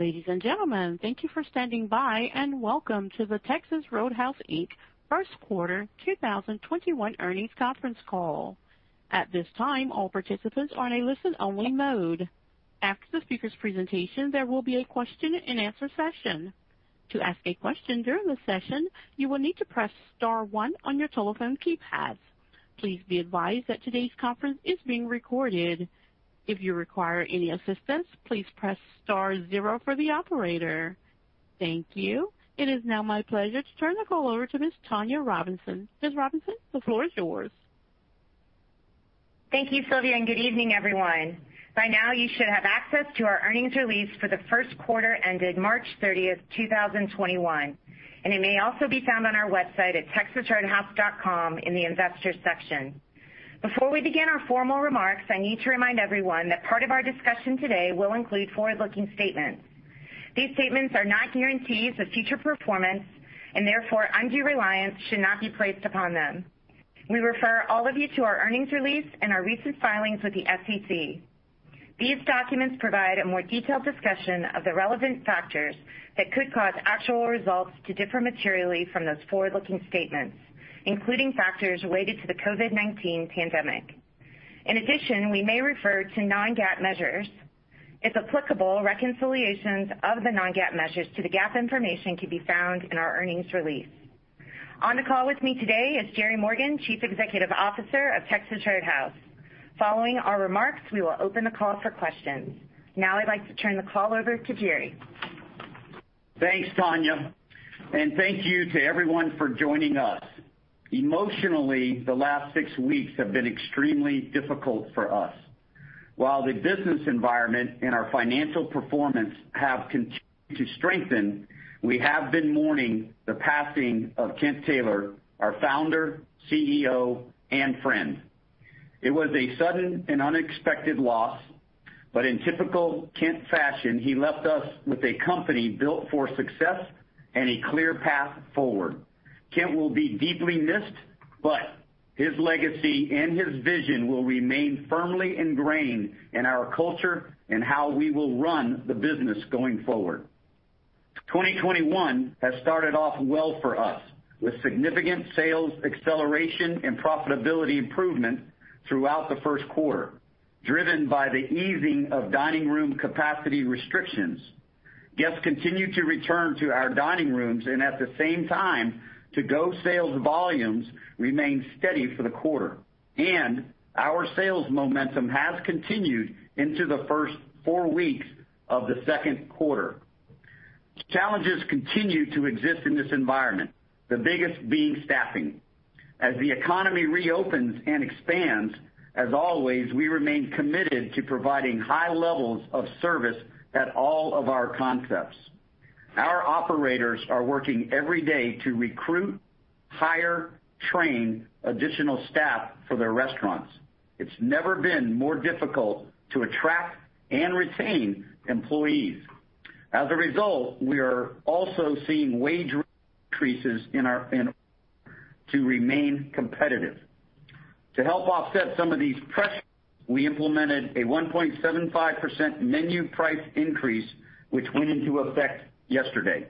Ladies and gentlemen, thank you for standing by, and welcome to the Texas Roadhouse, Inc. First Quarter 2021 earnings conference call. At this time, all participants are in a listen-only mode. After the speaker's presentation, there will be a question-and-answer session. To ask a question during the session, you will need to press star one on your telephone keypad. Please be advised that today's conference is being recorded. If you require any assistance, please press star zero for the operator. Thank you. It is now my pleasure to turn the call over to Ms. Tonya Robinson. Ms. Robinson, the floor is yours. Thank you, Sylvia, and good evening, everyone. By now you should have access to our earnings release for the first quarter ended March 30th, 2021, and it may also be found on our website at texasroadhouse.com in the Investors section. Before we begin our formal remarks, I need to remind everyone that part of our discussion today will include forward-looking statements. These statements are not guarantees of future performance and therefore undue reliance should not be placed upon them. We refer all of you to our earnings release and our recent filings with the SEC. These documents provide a more detailed discussion of the relevant factors that could cause actual results to differ materially from those forward-looking statements, including factors related to the COVID-19 pandemic. In addition, we may refer to non-GAAP measures. If applicable, reconciliations of the non-GAAP measures to the GAAP information can be found in our earnings release. On the call with me today is Jerry Morgan, Chief Executive Officer of Texas Roadhouse. Following our remarks, we will open the call for questions. I'd like to turn the call over to Jerry. Thanks, Tonya, and thank you to everyone for joining us. Emotionally, the last six weeks have been extremely difficult for us. While the business environment and our financial performance have continued to strengthen, we have been mourning the passing of Kent Taylor, our founder, CEO, and friend. It was a sudden and unexpected loss, but in typical Kent fashion, he left us with a company built for success and a clear path forward. Kent will be deeply missed, but his legacy and his vision will remain firmly ingrained in our culture and how we will run the business going forward. 2021 has started off well for us, with significant sales acceleration and profitability improvement throughout the first quarter, driven by the easing of dining room capacity restrictions. Guests continue to return to our dining rooms and at the same time, to-go sales volumes remain steady for the quarter, and our sales momentum has continued into the first four weeks of the second quarter. Challenges continue to exist in this environment, the biggest being staffing. As the economy reopens and expands, as always, we remain committed to providing high levels of service at all of our concepts. Our operators are working every day to recruit, hire, train additional staff for their restaurants. It's never been more difficult to attract and retain employees. As a result, we are also seeing wage increases in our to remain competitive. To help offset some of these pressures, we implemented a 1.75% menu price increase, which went into effect yesterday.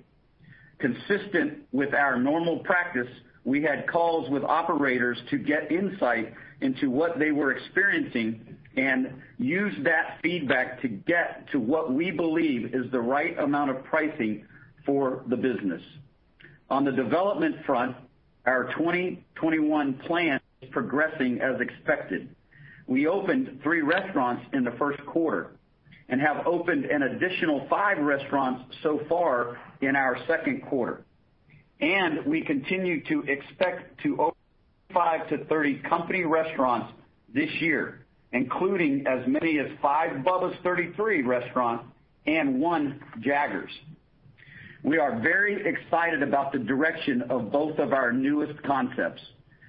Consistent with our normal practice, we had calls with operators to get insight into what they were experiencing and used that feedback to get to what we believe is the right amount of pricing for the business. On the development front, our 2021 plan is progressing as expected. We opened three restaurants in the first quarter and have opened an additional five restaurants so far in our second quarter. We continue to expect to open 5-30 company restaurants this year, including as many as five Bubba's 33 restaurants and one Jaggers. We are very excited about the direction of both of our newest concepts.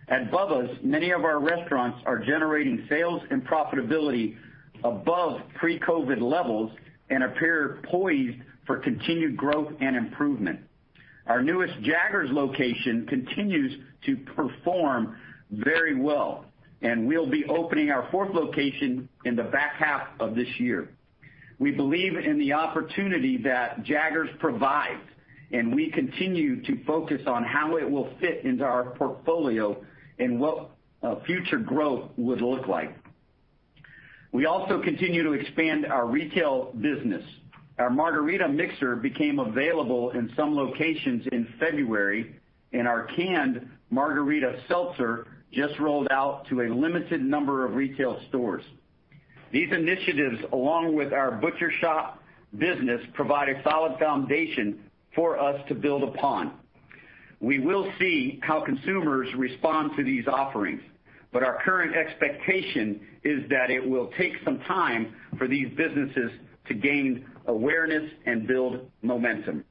At Bubba's, many of our restaurants are generating sales and profitability above pre-COVID levels and appear poised for continued growth and improvement. Our newest Jaggers location continues to perform very well, and we'll be opening our fourth location in the back half of this year. We believe in the opportunity that Jaggers provides, and we continue to focus on how it will fit into our portfolio and what future growth would look like. We also continue to expand our retail business. Our margarita mixer became available in some locations in February, and our canned margarita seltzer just rolled out to a limited number of retail stores. These initiatives, along with our butcher shop business, provide a solid foundation for us to build upon. We will see how consumers respond to these offerings, but our current expectation is that it will take some time for these businesses to gain awareness and build momentum.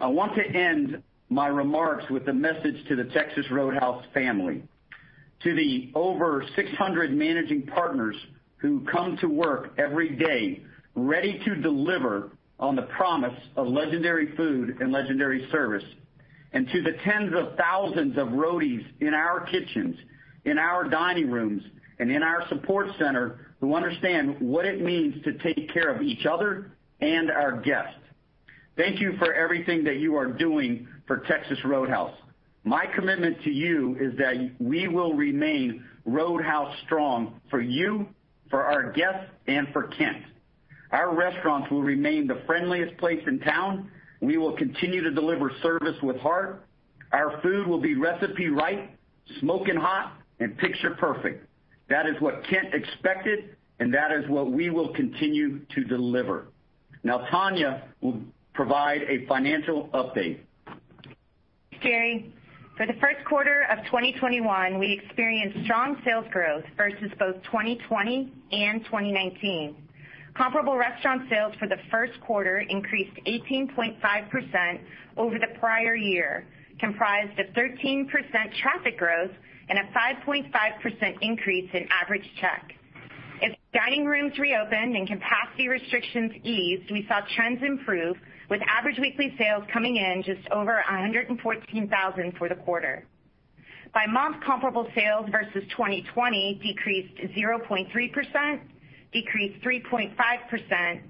I want to end my remarks with a message to the Texas Roadhouse family. To the over 600 managing partners who come to work every day ready to deliver on the promise of legendary food and legendary service. To the tens of thousands of Roadies in our kitchens, in our dining rooms, and in our support center, who understand what it means to take care of each other and our guests, thank you for everything that you are doing for Texas Roadhouse. My commitment to you is that we will remain Roadhouse strong for you, for our guests, and for Kent. Our restaurants will remain the friendliest place in town. We will continue to deliver service with heart. Our food will be recipe right, smoking hot, and picture perfect. That is what Kent expected. That is what we will continue to deliver. Now Tonya will provide a financial update. Jerry. For the first quarter of 2021, we experienced strong sales growth versus both 2020 and 2019. Comparable restaurant sales for the first quarter increased 18.5% over the prior year, comprised of 13% traffic growth and a 5.5% increase in average check. As dining rooms reopened and capacity restrictions eased, we saw trends improve with average weekly sales coming in just over $114,000 for the quarter. By month, comparable sales versus 2020 decreased 0.3%, decreased 3.5%,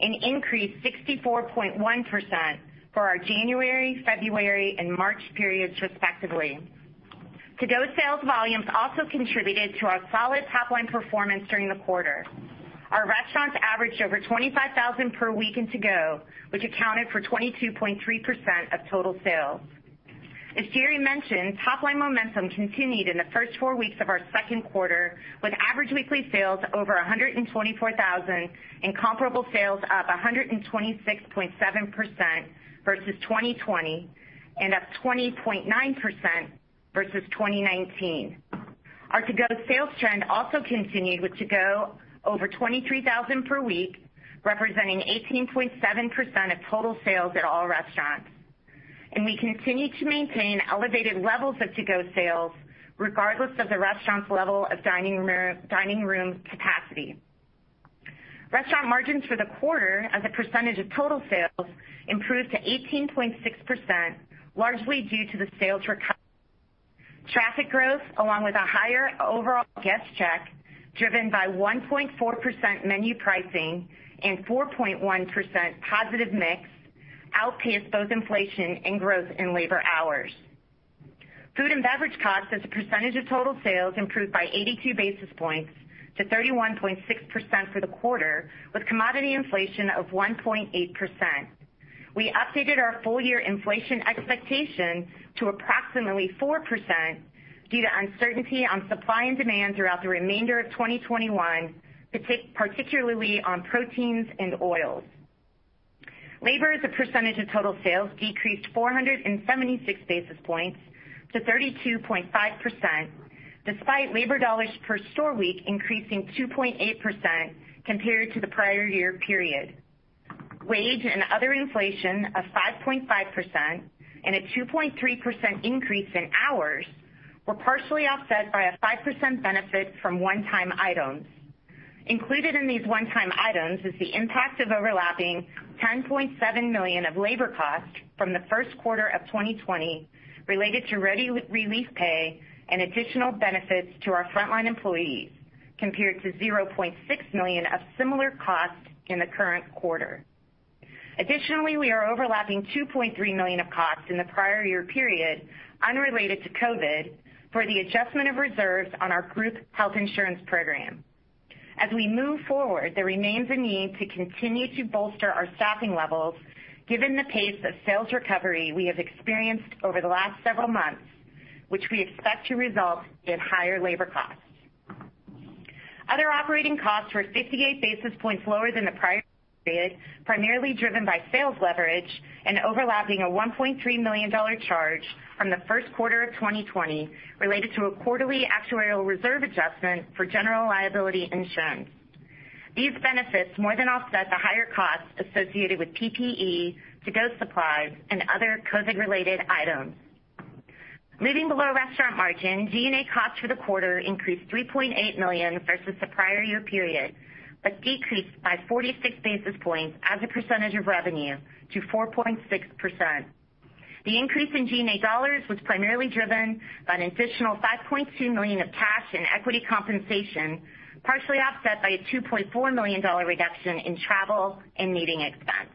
and increased 64.1% for our January, February, and March periods respectively. To-go sales volumes also contributed to our solid top-line performance during the quarter. Our restaurants averaged over $25,000 per week in to-go, which accounted for 22.3% of total sales. As Jerry mentioned, top-line momentum continued in the first four weeks of our second quarter, with average weekly sales over $124,000 and comparable sales up 126.7% versus 2020 and up 20.9% versus 2019. Our to-go sales trend continued with to-go over 23,000 per week, representing 18.7% of total sales at all restaurants. We continue to maintain elevated levels of to-go sales regardless of the restaurant's level of dining room capacity. Restaurant margins for the quarter as a percentage of total sales improved to 18.6%, largely due to the sales recovery. Traffic growth, along with a higher overall guest check driven by 1.4% menu pricing and 4.1% positive mix, outpaced both inflation and growth in labor hours. Food and beverage costs as a percentage of total sales improved by 82 basis points to 31.6% for the quarter, with commodity inflation of 1.8%. We updated our full year inflation expectation to approximately 4% due to uncertainty on supply and demand throughout the remainder of 2021, particularly on proteins and oils. Labor as a percentage of total sales decreased 476 basis points to 32.5%, despite labor dollars per store week increasing 2.8% compared to the prior year period. Wage and other inflation of 5.5% and a 2.3% increase in hours were partially offset by a 5% benefit from one-time items. Included in these one-time items is the impact of overlapping $10.7 million of labor costs from the first quarter of 2020 related to relief pay and additional benefits to our frontline employees, compared to $0.6 million of similar costs in the current quarter. Additionally, we are overlapping $2.3 million of costs in the prior year period unrelated to COVID for the adjustment of reserves on our group health insurance program. As we move forward, there remains a need to continue to bolster our staffing levels given the pace of sales recovery we have experienced over the last several months, which we expect to result in higher labor costs. Other operating costs were 58 basis points lower than the prior period, primarily driven by sales leverage and overlapping a $1.3 million charge from the first quarter of 2020 related to a quarterly actuarial reserve adjustment for general liability insurance. These benefits more than offset the higher costs associated with PPE, to-go supplies, and other COVID-related items. Moving below restaurant margin, G&A costs for the quarter increased $3.8 million versus the prior year period, but decreased by 46 basis points as a percentage of revenue to 4.6%. The increase in G&A dollars was primarily driven by an additional $5.2 million of cash and equity compensation, partially offset by a $2.4 million reduction in travel and meeting expense.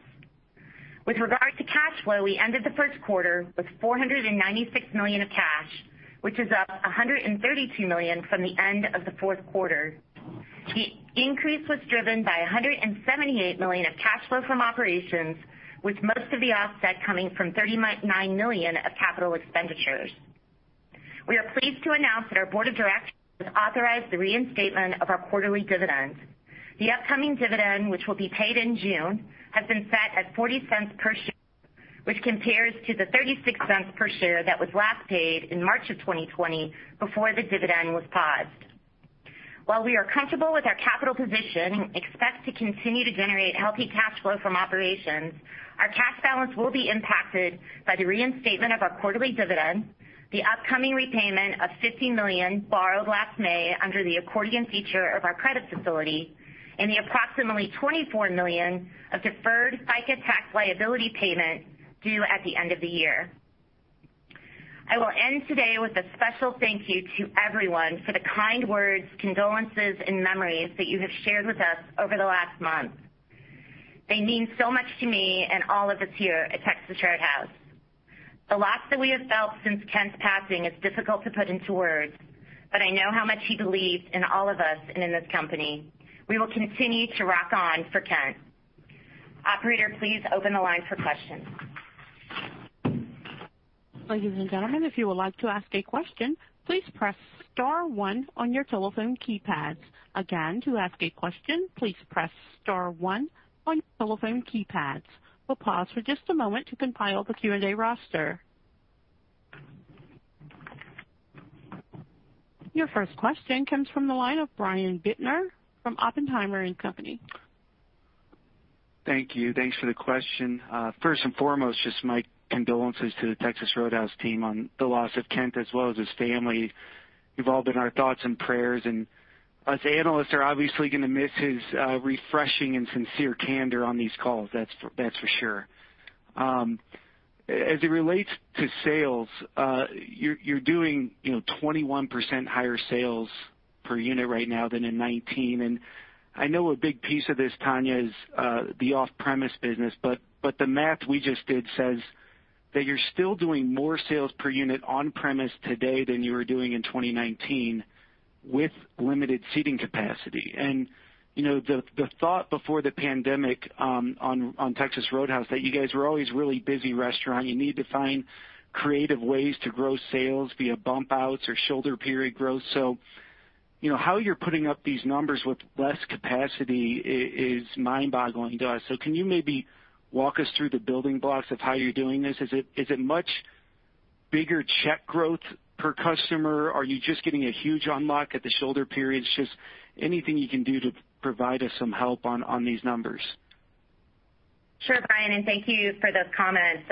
With regard to cash flow, we ended the first quarter with $496 million of cash, which is up $132 million from the end of the fourth quarter. The increase was driven by $178 million of cash flow from operations, with most of the offset coming from $39 million of capital expenditures. We are pleased to announce that our board of directors has authorized the reinstatement of our quarterly dividend. The upcoming dividend, which will be paid in June, has been set at $0.40 per share, which compares to the $0.36 per share that was last paid in March of 2020 before the dividend was paused. While we are comfortable with our capital position and expect to continue to generate healthy cash flow from operations, our cash balance will be impacted by the reinstatement of our quarterly dividend. The upcoming repayment of $50 million borrowed last May under the accordion feature of our credit facility and the approximately $24 million of deferred FICA tax liability payment due at the end of the year. I will end today with a special thank you to everyone for the kind words, condolences, and memories that you have shared with us over the last month. They mean so much to me and all of us here at Texas Roadhouse. The loss that we have felt since Kent's passing is difficult to put into words, but I know how much he believed in all of us and in this company. We will continue to rock on for Kent. Operator, please open the line for questions. Ladies and gentlemen, if you would like to ask a question, please press star one on your telephone keypads. Again, to ask a question, please press star one on your telephone keypads. We'll pause for just a moment to compile the Q&A roster. Your first question comes from the line of Brian Bittner from Oppenheimer & Co. Thank you. Thanks for the question. First and foremost, just my condolences to the Texas Roadhouse team on the loss of Kent as well as his family. You've all been our thoughts and prayers, and us analysts are obviously going to miss his refreshing and sincere candor on these calls, that's for sure. As it relates to sales, you're doing 21% higher sales per unit right now than in 2019, and I know a big piece of this, Tonya, is the off-premise business. The math we just did says that you're still doing more sales per unit on-premise today than you were doing in 2019 with limited seating capacity. The thought before the pandemic on Texas Roadhouse, that you guys were always a really busy restaurant. You need to find creative ways to grow sales via bump outs or shoulder period growth. How you're putting up these numbers with less capacity is mind-boggling to us. Can you maybe walk us through the building blocks of how you're doing this? Is it much bigger check growth per customer? Are you just getting a huge unlock at the shoulder periods? Just anything you can do to provide us some help on these numbers. Sure, Brian, thank you for those comments.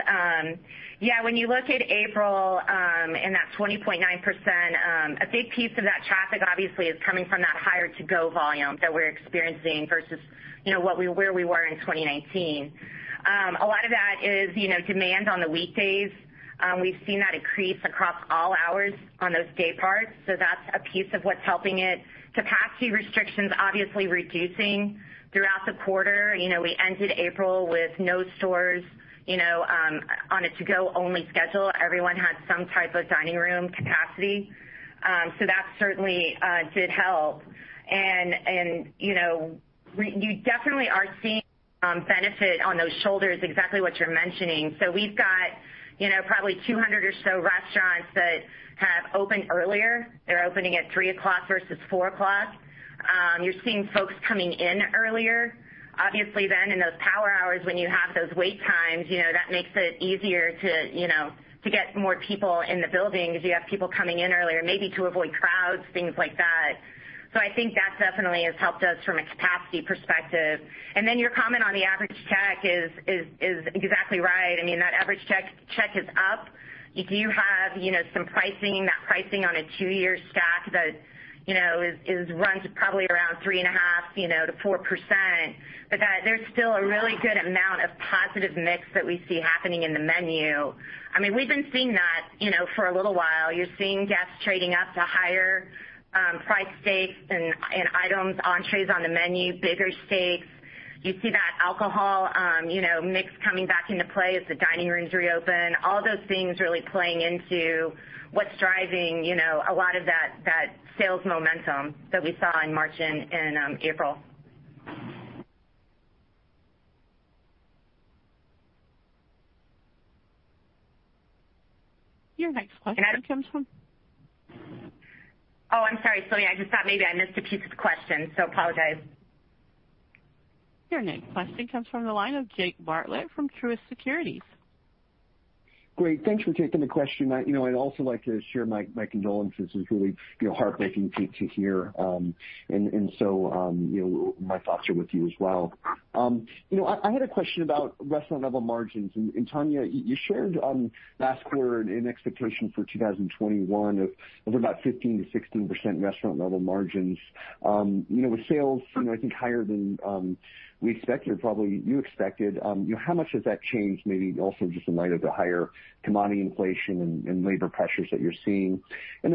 Yeah, when you look at April, and that 20.9%, a big piece of that traffic obviously is coming from that higher to-go volume that we're experiencing versus where we were in 2019. A lot of that is demand on the weekdays. We've seen that increase across all hours on those day parts, so that's a piece of what's helping it. Capacity restrictions obviously reducing throughout the quarter. We ended April with no stores on a to-go only schedule. Everyone had some type of dining room capacity. That certainly did help, and you definitely are seeing benefit on those shoulders, exactly what you're mentioning. We've got probably 200 or so restaurants that have opened earlier. They're opening at three o'clock versus four o'clock. You're seeing folks coming in earlier. Obviously, in those power hours, when you have those wait times, that makes it easier to get more people in the building because you have people coming in earlier, maybe to avoid crowds, things like that. I think that definitely has helped us from a capacity perspective. Your comment on the average check is exactly right. That average check is up. You do have some pricing. That pricing on a two-year stack runs probably around 3.5%-4%, but there's still a really good amount of positive mix that we see happening in the menu. We've been seeing that for a little while. You're seeing guests trading up to higher priced steaks and items, entrees on the menu, bigger steaks. You see that alcohol mix coming back into play as the dining rooms reopen. All those things really playing into what's driving a lot of that sales momentum that we saw in March and April. Your next question comes from-. Oh, I'm sorry, Sylvia. I just thought maybe I missed a piece of the question, so apologize. Your next question comes from the line of Jake Bartlett from Truist Securities. Great. Thanks for taking the question. I'd also like to share my condolences. It's really heartbreaking to hear. My thoughts are with you as well. I had a question about restaurant level margins. Tonya, you shared last quarter an expectation for 2021 of about 15%-16% restaurant level margins. With sales, I think higher than we expected or probably you expected, how much has that changed, maybe also just in light of the higher commodity inflation and labor pressures that you're seeing?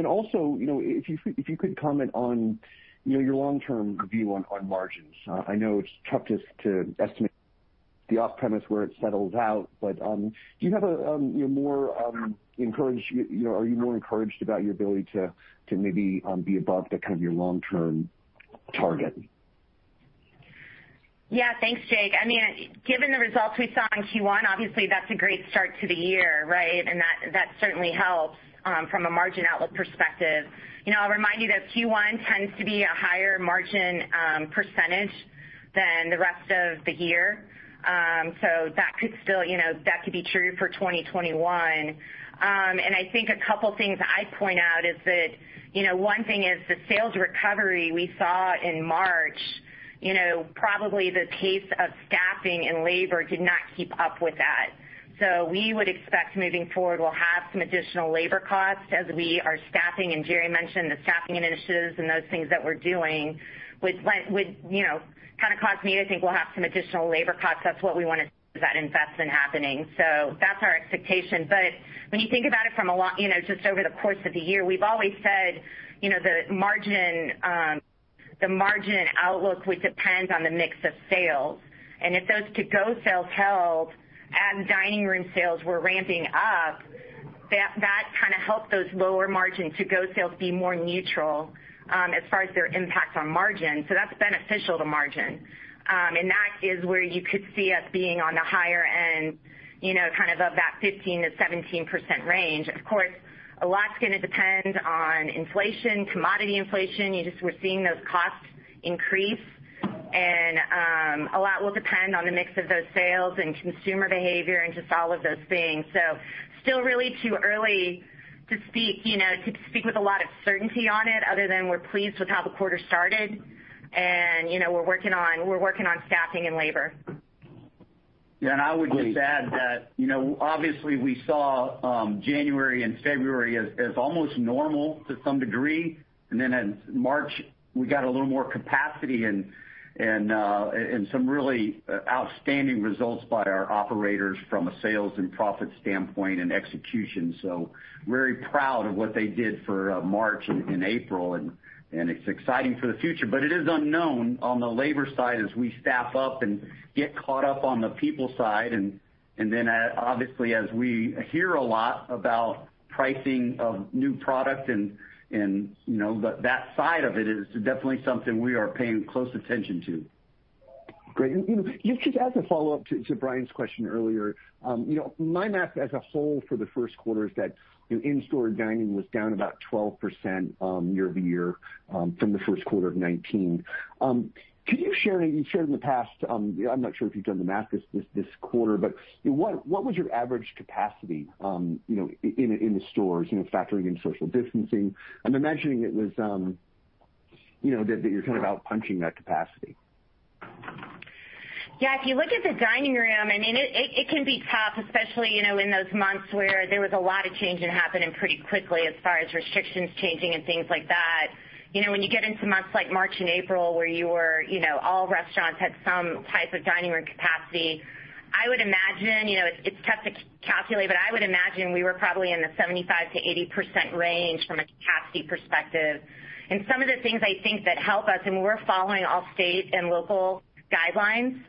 Also, if you could comment on your long-term view on margins. I know it's tough to estimate the off-premise where it settles out, but are you more encouraged about your ability to maybe be above the kind of your long-term target? Yeah. Thanks, Jake. Given the results we saw in Q1, obviously, that's a great start to the year, right? That certainly helps from a margin outlook perspective. I'll remind you that Q1 tends to be a higher margin percentage than the rest of the year. That could be true for 2021. I think a couple of things I'd point out is that one thing is the sales recovery we saw in March. Probably the pace of staffing and labor did not keep up with that. We would expect moving forward, we'll have some additional labor costs as we are staffing, and Jerry mentioned the staffing initiatives and those things that we're doing would kind of cause me to think we'll have some additional labor costs. That's what we want to see with that investment happening. That's our expectation. When you think about it just over the course of the year, we've always said, the margin and outlook, which depends on the mix of sales, and if those to-go sales held and dining room sales were ramping up, that kind of helped those lower margin to-go sales be more neutral, as far as their impact on margin. That's beneficial to margin. That is where you could see us being on the higher end, kind of that 15%-17% range. Of course, a lot's going to depend on inflation, commodity inflation. We're seeing those costs increase. A lot will depend on the mix of those sales and consumer behavior and just all of those things. Still really too early to speak with a lot of certainty on it, other than we're pleased with how the quarter started and we're working on staffing and labor. Yeah. I would just add that, obviously we saw January and February as almost normal to some degree. Then in March, we got a little more capacity and some really outstanding results by our operators from a sales and profit standpoint and execution. Very proud of what they did for March and April, and it's exciting for the future. It is unknown on the labor side as we staff up and get caught up on the people side, then obviously as we hear a lot about pricing of new product and that side of it is definitely something we are paying close attention to. Great. Just as a follow-up to Brian's question earlier, my math as a whole for the first quarter is that in-store dining was down about 12% year-over-year from the first quarter of 2019. Could you share, you shared in the past, I'm not sure if you've done the math this quarter, but what was your average capacity in the stores, factoring in social distancing? I'm imagining that you're kind of out punching that capacity. Yeah. If you look at the dining room, it can be tough, especially in those months where there was a lot of changing happening pretty quickly as far as restrictions changing and things like that. When you get into months like March and April where all restaurants had some type of dining room capacity, it's tough to calculate, but I would imagine we were probably in the 75%-80% range from a capacity perspective. Some of the things I think that help us, and we're following all state and local guidelines,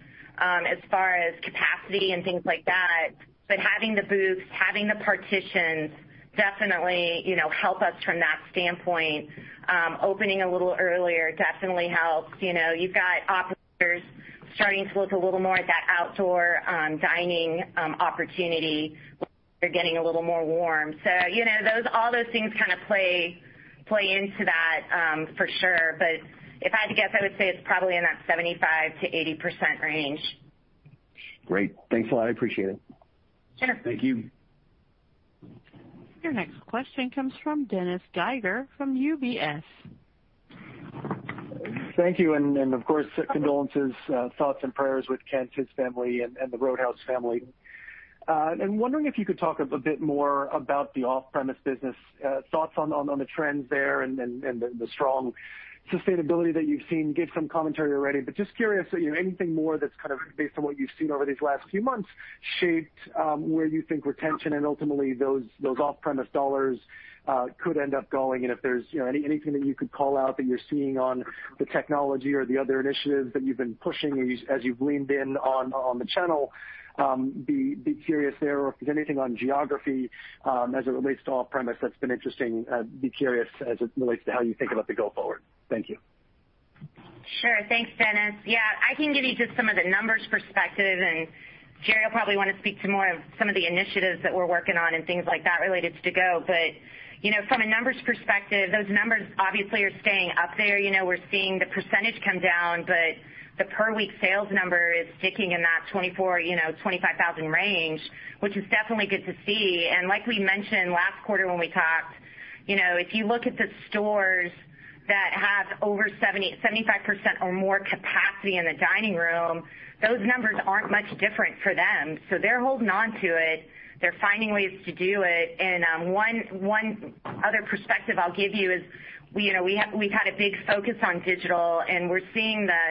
as far as capacity and things like that. Having the booths, having the partitions definitely help us from that standpoint. Opening a little earlier definitely helps. You've got operators starting to look a little more at that outdoor dining opportunity as we're getting a little more warm. All those things kind of play into that, for sure. If I had to guess, I would say it's probably in that 75%-80% range. Great. Thanks a lot. I appreciate it. Sure. Thank you. Your next question comes from Dennis Geiger from UBS. Thank you. Of course, condolences, thoughts and prayers with Kent, his family, and the Roadhouse family. I'm wondering if you could talk a bit more about the off-premise business, thoughts on the trends there and the strong sustainability that you've seen. You gave some commentary already, but just curious, anything more that's kind of based on what you've seen over these last few months shaped where you think retention and ultimately those off-premise dollars could end up going, and if there's anything that you could call out that you're seeing on the technology or the other initiatives that you've been pushing as you've leaned in on the channel. Be curious there. If there's anything on geography, as it relates to off-premise that's been interesting. I'd be curious as it relates to how you think about the go forward. Thank you. Thanks, Dennis. I can give you just some of the numbers perspective, Jerry will probably want to speak to more of some of the initiatives that we're working on and things like that related to go. From a numbers perspective, those numbers obviously are staying up there. We're seeing the percentage come down, but the per week sales number is sticking in that $24,000-$25,000 range, which is definitely good to see. Like we mentioned last quarter when we talked, if you look at the stores that have over 75% or more capacity in the dining room, those numbers aren't much different for them. They're holding on to it. They're finding ways to do it. One other perspective I'll give you is, we've had a big focus on digital, and we're seeing the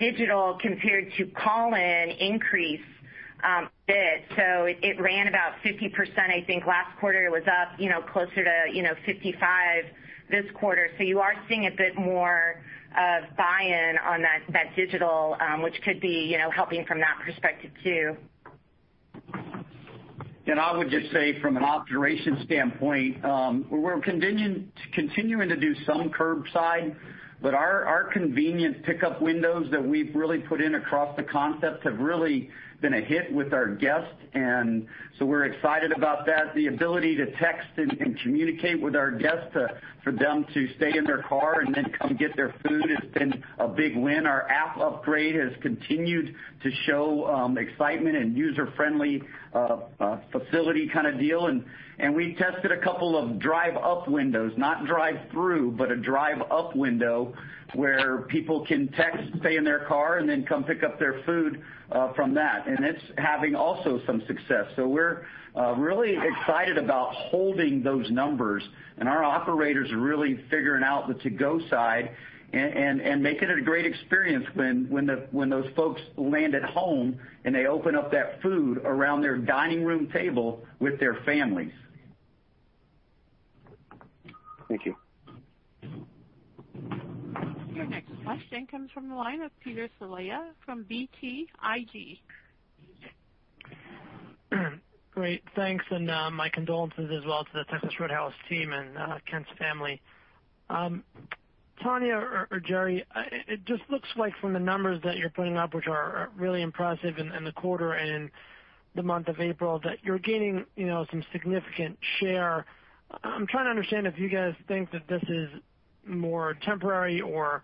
digital compared to call-in increase a bit. It ran about 50%, I think last quarter it was up closer to 55% this quarter. You are seeing a bit more of buy-in on that digital, which could be helping from that perspective too. I would just say from an operation standpoint, we're continuing to do some curbside, but our convenient pickup windows that we've really put in across the concept have really been a hit with our guests. We're excited about that. The ability to text and communicate with our guests for them to stay in their car and then come get their food has been a big win. Our app upgrade has continued to show excitement and user-friendly facility kind of deal. We tested a couple of drive-up windows, not drive-through, but a drive-up window where people can text, stay in their car, and then come pick up their food from that. It's having also some success. We're really excited about holding those numbers, and our operators are really figuring out the to-go side and making it a great experience when those folks land at home, and they open up that food around their dining room table with their families. Thank you. Your next question comes from the line of Peter Saleh from BTIG. Great. Thanks, and my condolences as well to the Texas Roadhouse team and Kent's family. Tonya or Jerry, it just looks like from the numbers that you're putting up, which are really impressive in the quarter and in the month of April, that you're gaining some significant share. I'm trying to understand if you guys think that this is more temporary or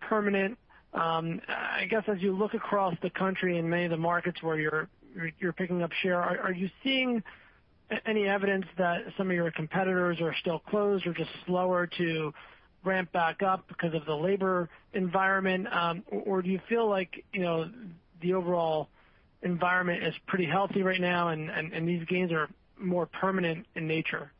permanent. I guess, as you look across the country in many of the markets where you're picking up share, are you seeing any evidence that some of your competitors are still closed or just slower to ramp back up because of the labor environment? Do you feel like the overall environment is pretty healthy right now, and these gains are more permanent in nature?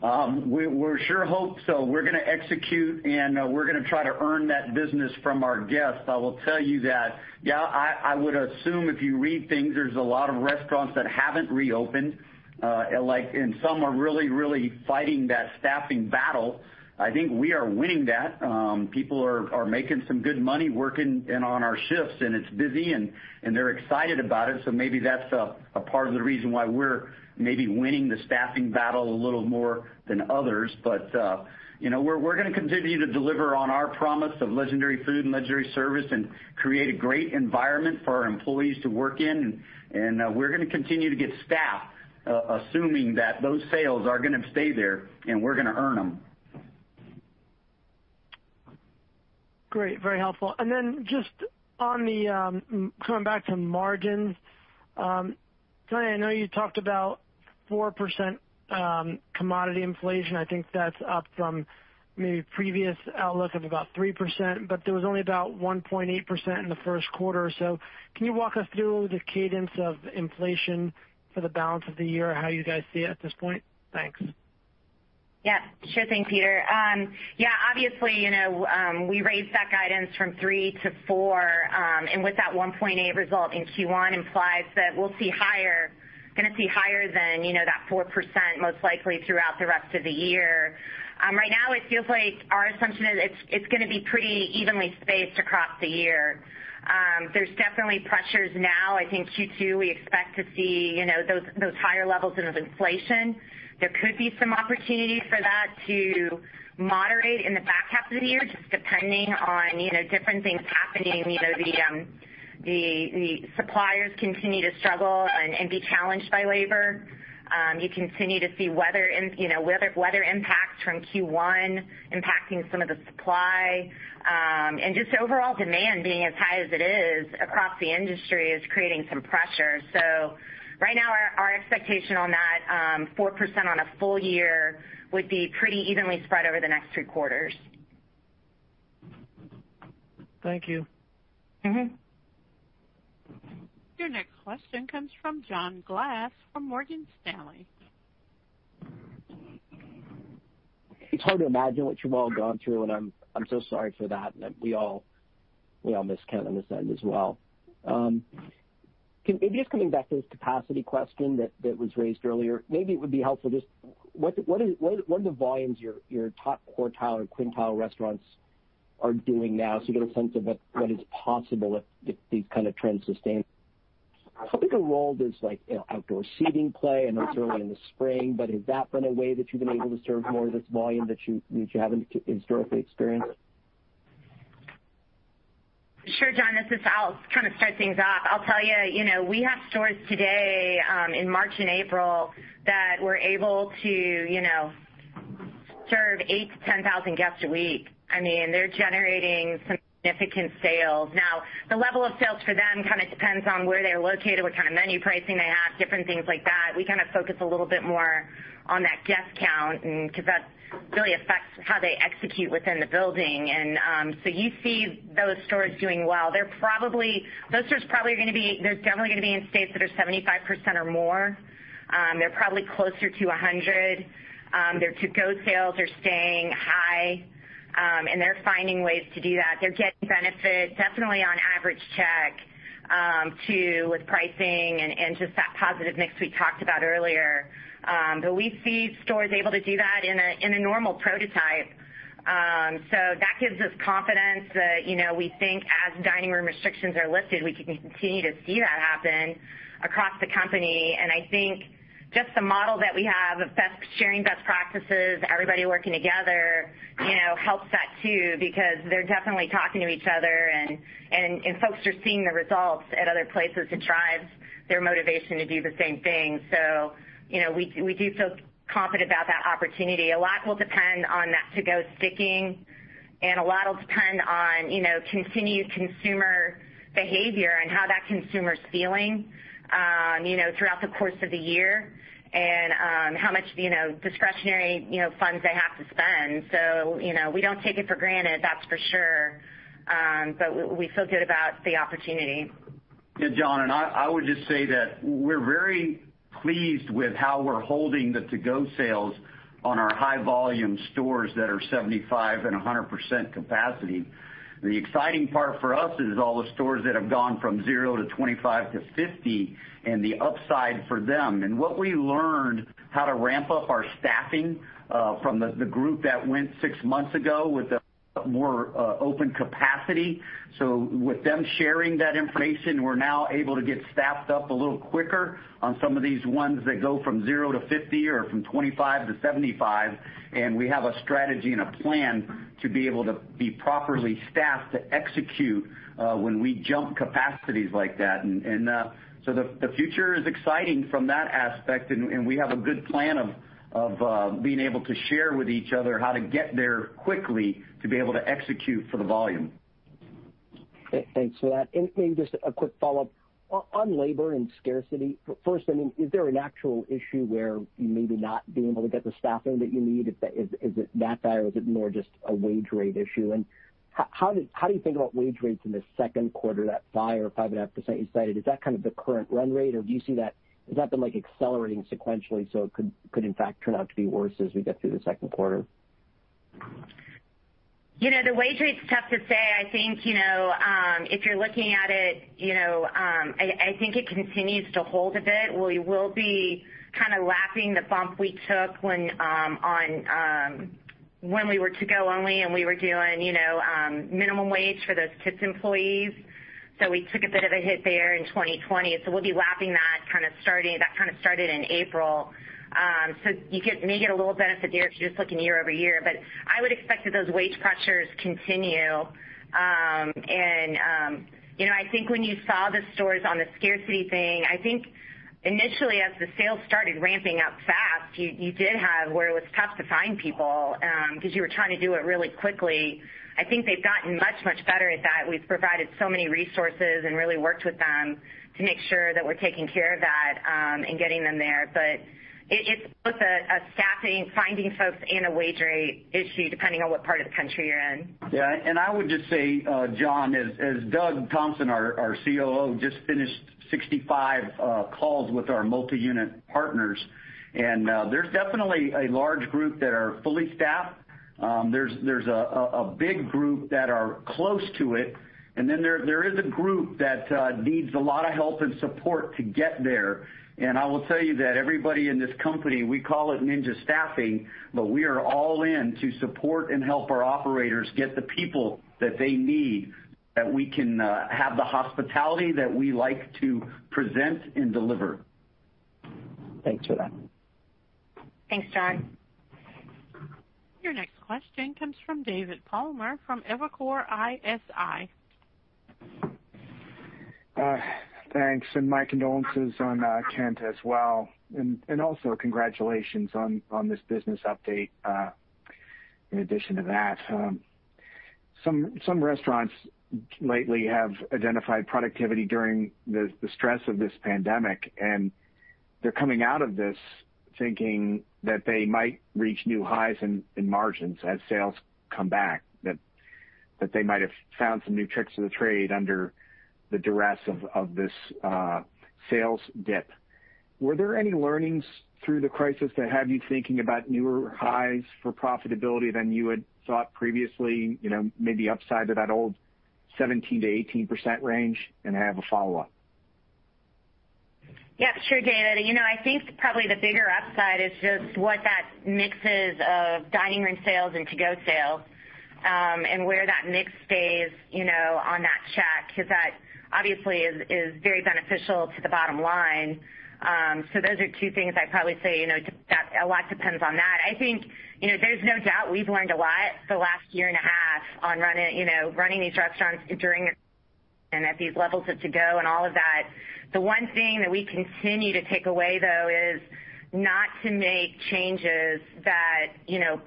We sure hope so. We're going to execute, and we're going to try to earn that business from our guests. I will tell you that, yeah, I would assume if you read things, there's a lot of restaurants that haven't reopened. Some are really fighting that staffing battle. I think we are winning that. People are making some good money working on our shifts, and it's busy, and they're excited about it. Maybe that's a part of the reason why we're maybe winning the staffing battle a little more than others. We're going to continue to deliver on our promise of legendary food and legendary service and create a great environment for our employees to work in. We're going to continue to get staffed, assuming that those sales are going to stay there, and we're going to earn them. Great. Very helpful. Then just coming back to margins. Tonya, I know you talked about 4% commodity inflation. I think that's up from maybe previous outlook of about 3%, but there was only about 1.8% in the first quarter. Can you walk us through the cadence of inflation for the balance of the year, how you guys see it at this point? Thanks. Yeah, sure thing, Peter. Obviously, we raised that guidance from 3%-4%, with that 1.8% result in Q1 implies that we're going to see higher than that 4%, most likely throughout the rest of the year. Right now, it feels like our assumption is it's going to be pretty evenly spaced across the year. There's definitely pressures now. I think Q2, we expect to see those higher levels of inflation. There could be some opportunity for that to moderate in the back half of the year, just depending on different things happening. The suppliers continue to struggle and be challenged by labor. You continue to see weather impacts from Q1 impacting some of the supply. Just overall demand being as high as it is across the industry is creating some pressure. Right now, our expectation on that 4% on a full year would be pretty evenly spread over the next three quarters. Thank you. Your next question comes from John Glass from Morgan Stanley. It's hard to imagine what you've all gone through, and I'm so sorry for that. We all miss Kent on this end as well. Maybe just coming back to this capacity question that was raised earlier, maybe it would be helpful, just what are the volumes your top quartile or quintile restaurants are doing now so you get a sense of what is possible if these kind of trends sustain? How big a role does outdoor seating play? I know it's early in the spring, but has that been a way that you've been able to serve more of this volume that you haven't historically experienced? Sure, John, this is how, trying to start things off. I'll tell you, we have stores today in March and April that were able to serve 8,000-10,000 guests a week. They're generating significant sales. The level of sales for them depends on where they're located, what kind of menu pricing they have, different things like that. We focus a little bit more on that guest count because that really affects how they execute within the building. You see those stores doing well. Those stores, they're definitely going to be in states that are 75% or more. They're probably closer to 100. Their to-go sales are staying high. They're finding ways to do that. They're getting benefit definitely on average check, too, with pricing and just that positive mix we talked about earlier. We see stores able to do that in a normal prototype. That gives us confidence that we think as dining room restrictions are lifted, we can continue to see that happen across the company. I think just the model that we have of sharing best practices, everybody working together helps that too, because they're definitely talking to each other, and folks are seeing the results at other places. It drives their motivation to do the same thing. We do feel confident about that opportunity. A lot will depend on that to-go sticking, and a lot will depend on continued consumer behavior and how that consumer's feeling throughout the course of the year and how much discretionary funds they have to spend. We don't take it for granted, that's for sure. We feel good about the opportunity. Yeah, John, I would just say that we're very pleased with how we're holding the to-go sales on our high volume stores that are 75% and 100% capacity. The exciting part for us is all the stores that have gone from 0 to 25 to 50 and the upside for them. What we learned how to ramp up our staffing from the group that went six months ago with the more open capacity. With them sharing that information, we're now able to get staffed up a little quicker on some of these ones that go from 0 to 50 or from 25 to 75, and we have a strategy and a plan to be able to be properly staffed to execute when we jump capacities like that. The future is exciting from that aspect, and we have a good plan of being able to share with each other how to get there quickly to be able to execute for the volume. Thanks for that. Maybe just a quick follow-up. On labor and scarcity, first, is there an actual issue where you may be not being able to get the staffing that you need? Is it that bad, or is it more just a wage rate issue? How do you think about wage rates in the second quarter, that 5% or 5.5% you cited? Is that kind of the current run rate, or has that been accelerating sequentially, so it could, in fact, turn out to be worse as we get through the second quarter? The wage rate's tough to say. If you're looking at it, I think it continues to hold a bit. We will be kind of lapping the bump we took when we were to-go only, and we were doing minimum wage for those tipped employees. We took a bit of a hit there in 2020. We'll be lapping that. That kind of started in April. You may get a little benefit there if you're just looking year-over-year, but I would expect that those wage pressures continue. I think when you saw the stores on the scarcity thing, I think initially as the sales started ramping up fast, you did have where it was tough to find people, because you were trying to do it really quickly. I think they've gotten much better at that. We've provided so many resources and really worked with them to make sure that we're taking care of that, and getting them there. It's both a staffing, finding folks, and a wage rate issue, depending on what part of the country you're in. Yeah. I would just say, John, as Doug Thompson, our COO, just finished 65 calls with our multi-unit partners, and there's definitely a large group that are fully staffed. There's a big group that are close to it, and then there is a group that needs a lot of help and support to get there. I will tell you that everybody in this company, we call it ninja staffing, but we are all in to support and help our operators get the people that they need, that we can have the hospitality that we like to present and deliver. Thanks for that. Thanks, John. Your next question comes from David Palmer from Evercore ISI. Thanks. My condolences on Kent as well, and also congratulations on this business update in addition to that. Some restaurants lately have identified productivity during the stress of this pandemic, and they're coming out of this thinking that they might reach new highs in margins as sales come back, that they might have found some new tricks of the trade under the duress of this sales dip. Were there any learnings through the crisis that have you thinking about newer highs for profitability than you had thought previously, maybe upside to that old 17%-18% range? I have a follow-up. Yeah, sure, David. I think probably the bigger upside is just what that mix is of dining room sales and to-go sales, and where that mix stays on that check, because that obviously is very beneficial to the bottom line. Those are two things I'd probably say, a lot depends on that. I think there's no doubt we've learned a lot the last year and a half on running these restaurants during and at these levels of to-go and all of that. The one thing that we continue to take away, though, is not to make changes that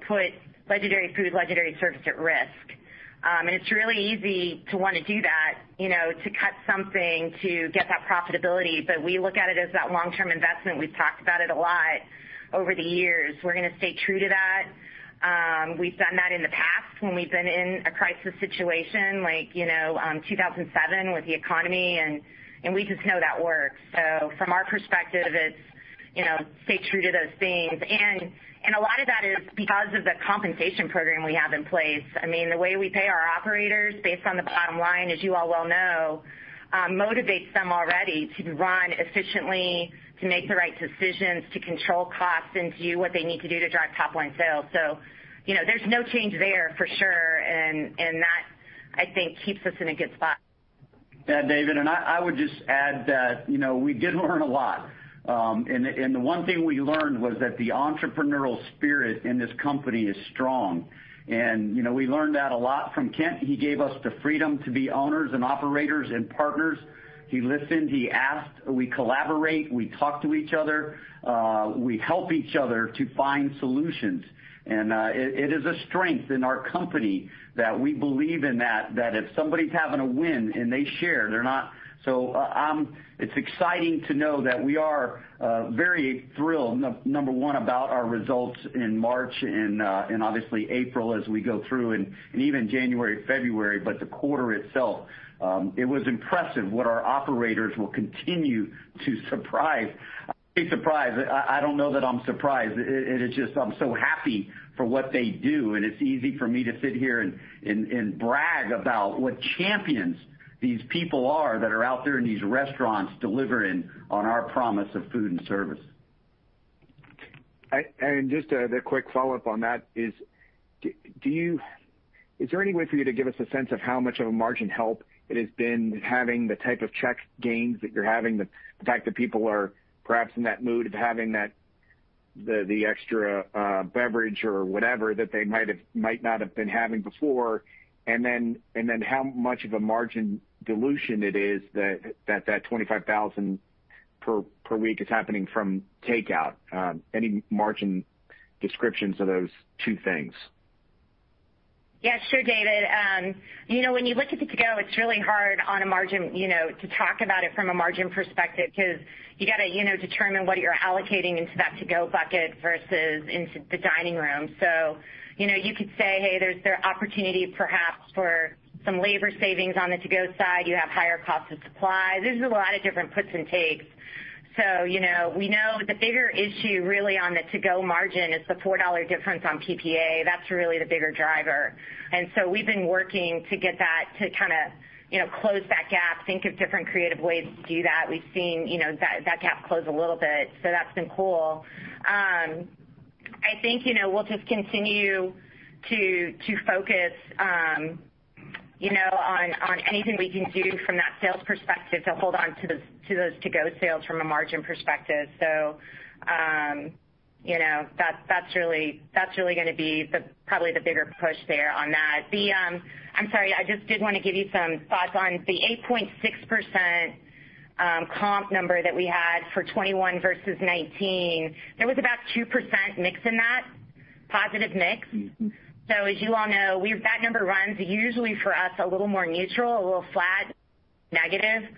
put legendary food, legendary service at risk. It's really easy to want to do that, to cut something to get that profitability. We look at it as that long-term investment. We've talked about it a lot over the years. We're going to stay true to that. We've done that in the past when we've been in a crisis situation like 2007 with the economy, and we just know that works. From our perspective, it's stay true to those things. A lot of that is because of the compensation program we have in place. The way we pay our operators based on the bottom line, as you all well know, motivates them already to run efficiently, to make the right decisions, to control costs, and do what they need to do to drive top-line sales. There's no change there for sure, that I think keeps us in a good spot. Yeah, David, I would just add that we did learn a lot. The one thing we learned was that the entrepreneurial spirit in this company is strong, and we learned that a lot from Kent. He gave us the freedom to be owners and operators and partners. He listened. He asked. We collaborate. We talk to each other. We help each other to find solutions. It is a strength in our company that we believe in that if somebody's having a win and they share. It's exciting to know that we are very thrilled, number one, about our results in March and obviously April as we go through, and even January, February. The quarter itself, it was impressive what our operators will continue to surprise. I say surprise, I don't know that I'm surprised. It is just I'm so happy for what they do. It's easy for me to sit here and brag about what champions these people are that are out there in these restaurants delivering on our promise of food and service. Just a quick follow-up on that is there any way for you to give us a sense of how much of a margin help it has been having the type of check gains that you're having, the fact that people are perhaps in that mood of having the extra beverage or whatever that they might not have been having before? Then how much of a margin dilution it is that 25,000 per week is happening from takeout? Any margin descriptions of those two things? Yeah, sure, David. When you look at the to-go, it's really hard on a margin, to talk about it from a margin perspective, because you got to determine what you're allocating into that to-go bucket versus into the dining room. You could say, hey, there's the opportunity perhaps for some labor savings on the to-go side. You have higher cost of supply. There's a lot of different puts and takes. We know the bigger issue really on the to-go margin is the $4 difference on PPA. That's really the bigger driver. We've been working to get that to close that gap, think of different creative ways to do that. We've seen that gap close a little bit. That's been cool. I think we'll just continue to focus on anything we can do from that sales perspective to hold on to those to-go sales from a margin perspective. That's really going to be probably the bigger push there on that. I'm sorry, I just did want to give you some thoughts on the 8.6% comp number that we had for 2021 versus 2019. There was about 2% mix in that, positive mix. As you all know, that number runs usually for us a little more neutral, a little flat, negative.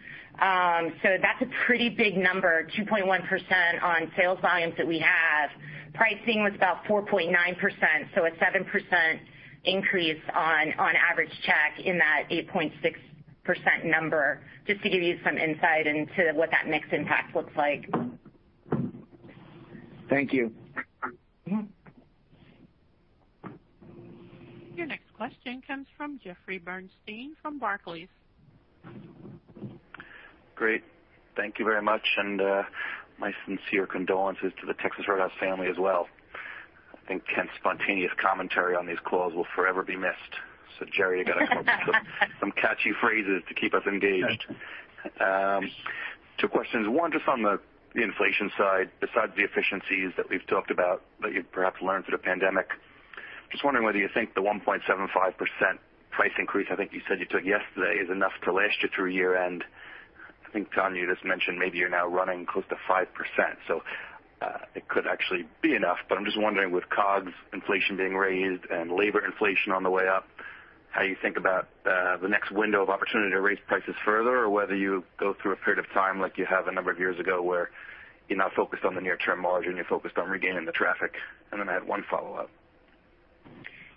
That's a pretty big number, 2.1% on sales volumes that we have. Pricing was about 4.9%, so a 7% increase on average check in that 8.6% number, just to give you some insight into what that mix impact looks like. Thank you. Your next question comes from Jeffrey Bernstein from Barclays. Great. Thank you very much, and my sincere condolences to the Texas Roadhouse family as well. I think Kent's spontaneous commentary on these calls will forever be missed. Jerry, you got to come up with some catchy phrases to keep us engaged. Two questions. One, just on the inflation side, besides the efficiencies that we've talked about, that you've perhaps learned through the pandemic, just wondering whether you think the 1.75% price increase, I think you said you took yesterday, is enough to last you through year-end. I think, Tonya, you just mentioned maybe you're now running close to 5%, it could actually be enough. I'm just wondering with COGS inflation being raised and labor inflation on the way up, how you think about the next window of opportunity to raise prices further or whether you go through a period of time like you have a number of years ago where you're not focused on the near-term margin, you're focused on regaining the traffic? I have one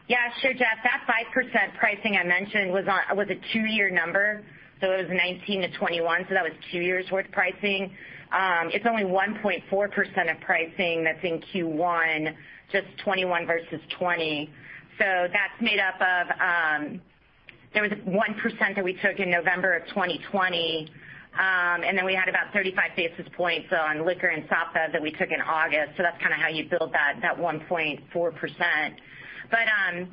follow-up. Sure, Jeff. That 5% pricing I mentioned was a two-year number. It was 2019 to 2021, that was two years' worth of pricing. It's only 1.4% of pricing that's in Q1, just 2021 versus 2020. That's made up of, there was 1% that we took in November of 2020. We had about 35 basis points on liquor and salsa that we took in August. That's how you build that 1.4%.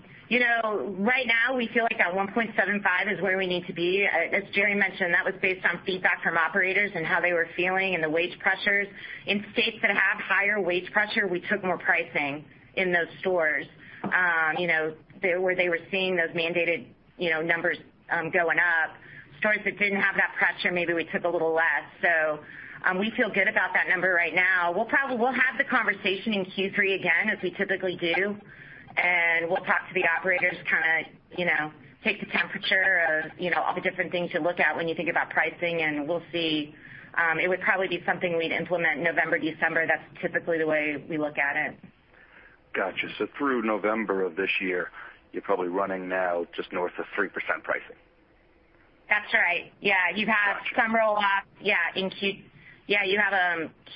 Right now, we feel like that 1.75% is where we need to be. As Jerry mentioned, that was based on feedback from operators and how they were feeling and the wage pressures. In states that have higher wage pressure, we took more pricing in those stores where they were seeing those mandated numbers going up. Stores that didn't have that pressure, maybe we took a little less. We feel good about that number right now. We'll have the conversation in Q3 again, as we typically do, and we'll talk to the operators, take the temperature of all the different things you look at when you think about pricing, and we'll see. It would probably be something we'd implement November, December. That's typically the way we look at it. Got you. Through November of this year, you're probably running now just north of 3% pricing. That's right. Yeah. Got you. You have some roll-off, yeah, in Q2.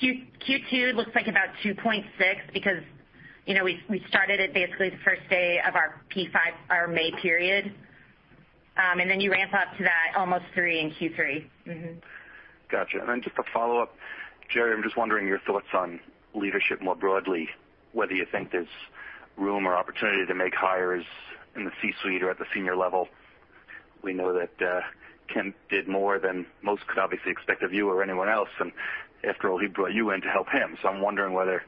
It looks like about 2.6 because we started it basically the first day of our P5, our May period. Then you ramp up to that almost three in Q3. Got you. Then just a follow-up. Jerry, I'm just wondering your thoughts on leadership more broadly, whether you think there's room or opportunity to make hires in the C-suite or at the senior level. We know that Kent did more than most could obviously expect of you or anyone else, and after all, he brought you in to help him. I'm wondering whether,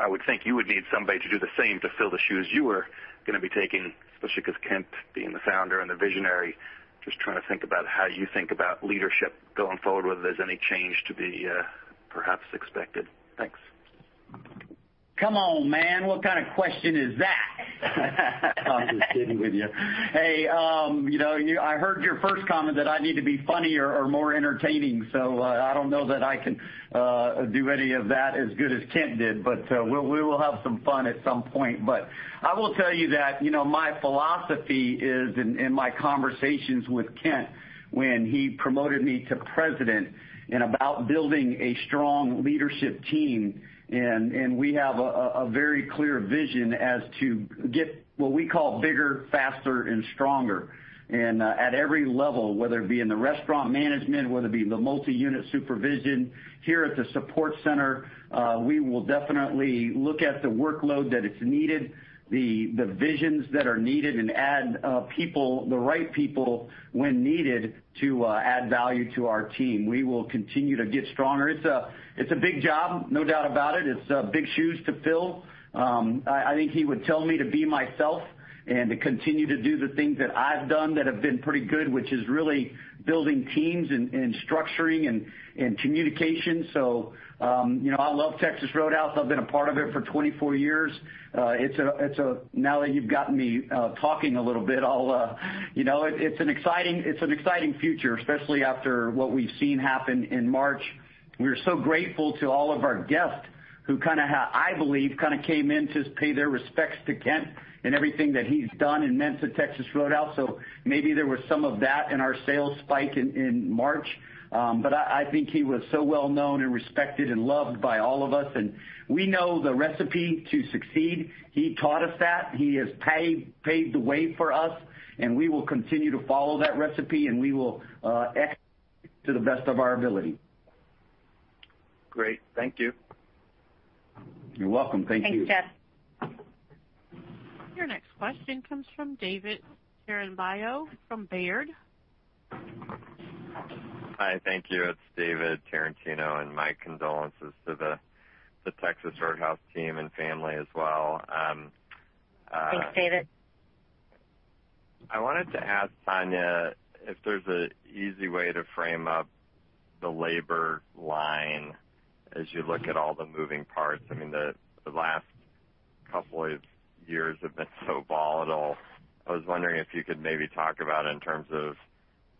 I would think you would need somebody to do the same to fill the shoes you were going to be taking, especially because Kent being the founder and the visionary. Just trying to think about how you think about leadership going forward, whether there's any change to be perhaps expected. Thanks. Come on, man. What kind of question is that? I'm just kidding with you. Hey, I heard your first comment that I need to be funnier or more entertaining. I don't know that I can do any of that as good as Kent did, but we will have some fun at some point. I will tell you that, my philosophy is, in my conversations with Kent when he promoted me to President, and about building a strong leadership team, and we have a very clear vision as to get what we call bigger, faster and stronger. At every level, whether it be in the restaurant management, whether it be the multi-unit supervision here at the support center, we will definitely look at the workload that is needed, the visions that are needed and add the right people when needed to add value to our team. We will continue to get stronger. It's a big job, no doubt about it. It's big shoes to fill. I think he would tell me to be myself and to continue to do the things that I've done that have been pretty good, which is really building teams and structuring and communication. I love Texas Roadhouse. I've been a part of it for 24 years. Now that you've gotten me talking a little bit, it's an exciting future, especially after what we've seen happen in March. We are so grateful to all of our guests who, I believe, came in to pay their respects to Kent and everything that he's done and meant to Texas Roadhouse. Maybe there was some of that in our sales spike in March. I think he was so well-known and respected and loved by all of us, and we know the recipe to succeed. He taught us that. He has paved the way for us, and we will continue to follow that recipe, and we will execute to the best of our ability. Great. Thank you. You're welcome. Thank you. Thanks, Jeff. Your next question comes from David Tarantino from Baird. Hi. Thank you. It's David Tarantino. My condolences to the Texas Roadhouse team and family as well. Thanks, David. I wanted to ask Tonya if there's an easy way to frame up the labor line as you look at all the moving parts. I mean, the last couple of years have been so volatile. I was wondering if you could maybe talk about, in terms of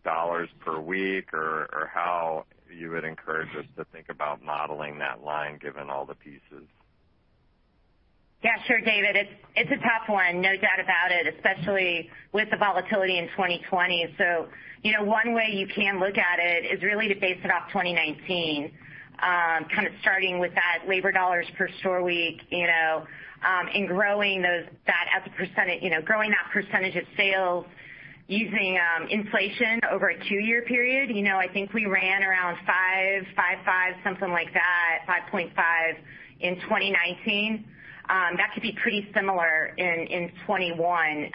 dollars per week or how you would encourage us to think about modeling that line, given all the pieces. Yeah, sure, David. It's a tough one, no doubt about it, especially with the volatility in 2020. One way you can look at it is really to base it off 2019, kind of starting with that labor dollars per store week, and growing that percentage of sales using inflation over a two-year period. I think we ran around 5%, 5.5%, something like that, 5.5% in 2019. That could be pretty similar in 2021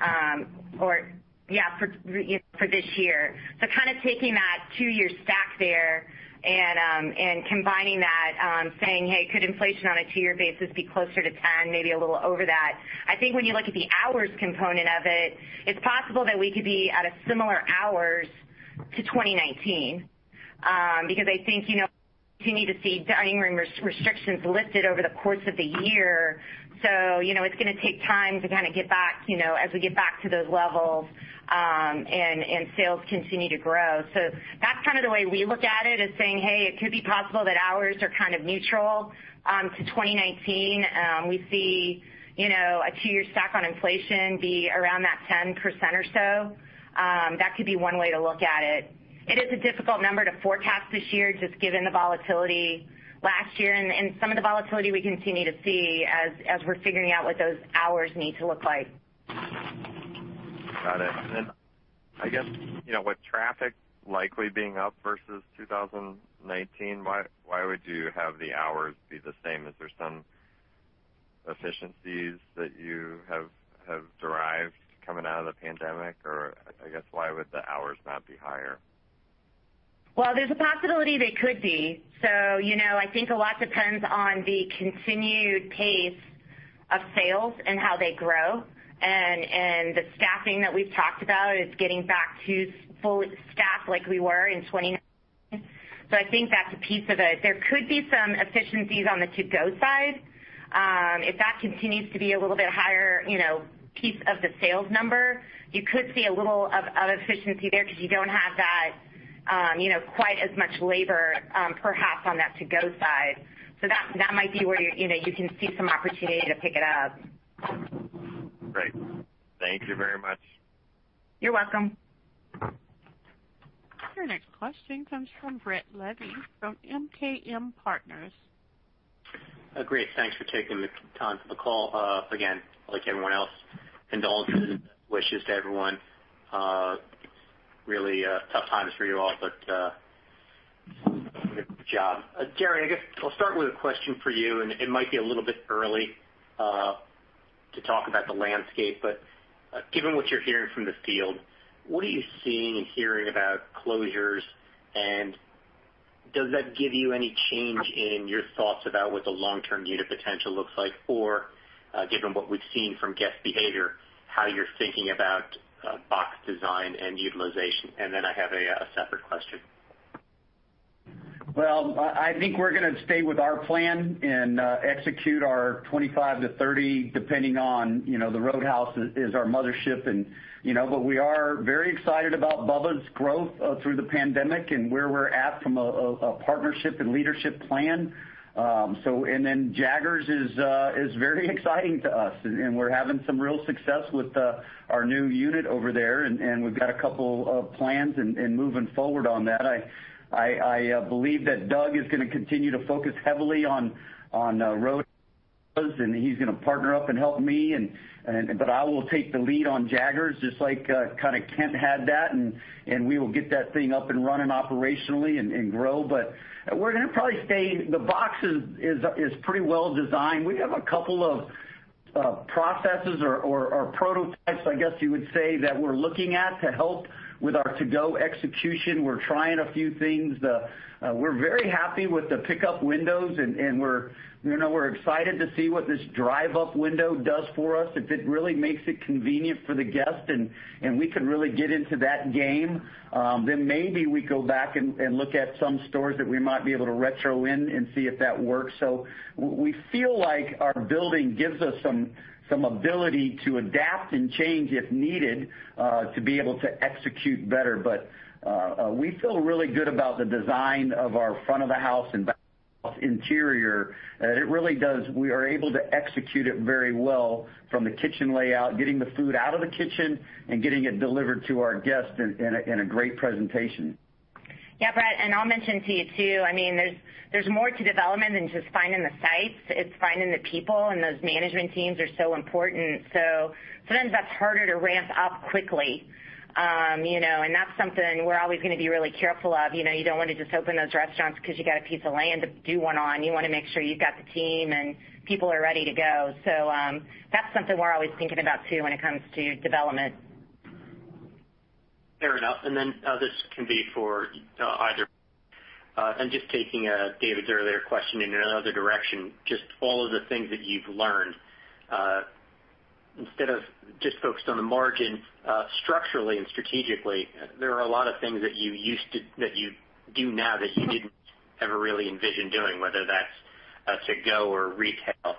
or, yeah, for this year. Taking that two years back there and combining that, saying, "Hey, could inflation on a two-year basis be closer to 10%?" Maybe a little over that. I think when you look at the hours component of it's possible that we could be at a similar hours to 2019. Because I think you need to see dining room restrictions lifted over the course of the year. It's going to take time to get back, as we get back to those levels, and sales continue to grow. That's the way we look at it, is saying, "Hey, it could be possible that hours are neutral to 2019." We see a two year stack on inflation be around that 10% or so. That could be one way to look at it. It is a difficult number to forecast this year, just given the volatility last year and some of the volatility we continue to see as we're figuring out what those hours need to look like. Got it. I guess, with traffic likely being up versus 2019, why would you have the hours be the same? Is there some efficiencies that you have derived coming out of the pandemic? I guess why would the hours not be higher? Well, there's a possibility they could be. I think a lot depends on the continued pace of sales and how they grow. The staffing that we've talked about is getting back to fully staffed like we were in 2019. I think that's a piece of it. There could be some efficiencies on the to-go side. If that continues to be a little bit higher piece of the sales number, you could see a little of efficiency there because you don't have quite as much labor perhaps on that to-go side. That might be where you can see some opportunity to pick it up. Great. Thank you very much. You're welcome. Your next question comes from Brett Levy from MKM Partners. Great. Thanks for taking the time for the call. Again, like everyone else, condolences and wishes to everyone. Really tough times for you all, but good job. Jerry, I guess I'll start with a question for you, and it might be a little bit early to talk about the landscape, but given what you're hearing from the field, what are you seeing and hearing about closures, and does that give you any change in your thoughts about what the long-term unit potential looks like? Given what we've seen from guest behavior, how you're thinking about box design and utilization. I have a separate question. I think we're going to stay with our plan and execute our 25-30, depending on the Texas Roadhouse is our mothership. We are very excited about Bubba's 33 growth through the pandemic and where we're at from a partnership and leadership plan. Jaggers is very exciting to us, and we're having some real success with our new unit over there, and we've got a couple of plans and moving forward on that. I believe that Doug is going to continue to focus heavily on Texas Roadhouse, and he's going to partner up and help me. I will take the lead on Jaggers, just like Kent had that, and we will get that thing up and running operationally and grow. We're going to probably stay. The box is pretty well-designed. We have a couple of processes or prototypes, I guess, you would say, that we're looking at to help with our to-go execution. We're trying a few things. We're very happy with the pickup windows, and we're excited to see what this drive-up window does for us. If it really makes it convenient for the guest and we could really get into that game, then maybe we go back and look at some stores that we might be able to retro in and see if that works. We feel like our building gives us some ability to adapt and change, if needed, to be able to execute better. We feel really good about the design of our front of the house and back of house interior. We are able to execute it very well from the kitchen layout, getting the food out of the kitchen and getting it delivered to our guests in a great presentation. Yeah, Brett, I'll mention to you, too, there's more to development than just finding the sites. It's finding the people, those management teams are so important. Sometimes that's harder to ramp up quickly. That's something we're always going to be really careful of. You don't want to just open those restaurants because you got a piece of land to do one on. You want to make sure you've got the team and people are ready to go. That's something we're always thinking about, too, when it comes to development. Fair enough. This can be for either. Just taking David's earlier question in another direction, just all of the things that you've learned. Instead of just focused on the margin, structurally and strategically, there are a lot of things that you do now that you didn't ever really envision doing, whether that's to-go or retail.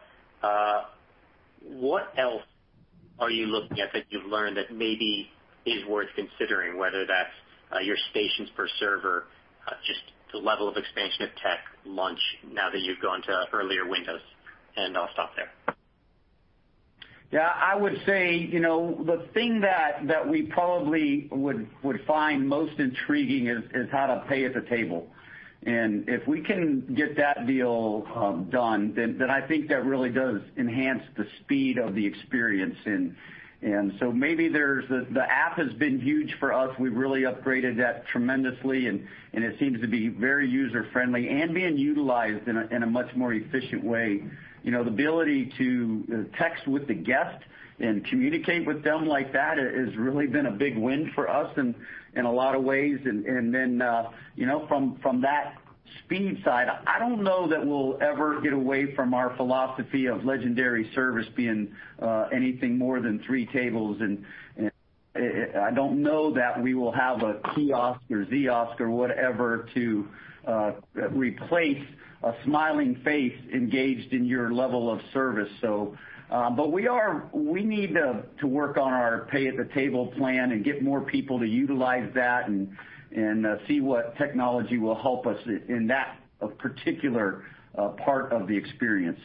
What else are you looking at that you've learned that maybe is worth considering, whether that's your stations per server, just the level of expansion of tech launch now that you've gone to earlier windows? I'll stop there. I would say, the thing that we probably would find most intriguing is how to pay at the table. If we can get that deal done, then I think that really does enhance the speed of the experience. Maybe the app has been huge for us. We've really upgraded that tremendously, and it seems to be very user-friendly and being utilized in a much more efficient way. The ability to text with the guest and communicate with them like that has really been a big win for us in a lot of ways. From that speed side, I don't know that we'll ever get away from our philosophy of legendary service being anything more than three tables. I don't know that we will have a kiosk or the kiosk or whatever to replace a smiling face engaged in your level of service. We need to work on our pay at the table plan and get more people to utilize that and see what technology will help us in that particular part of the experience.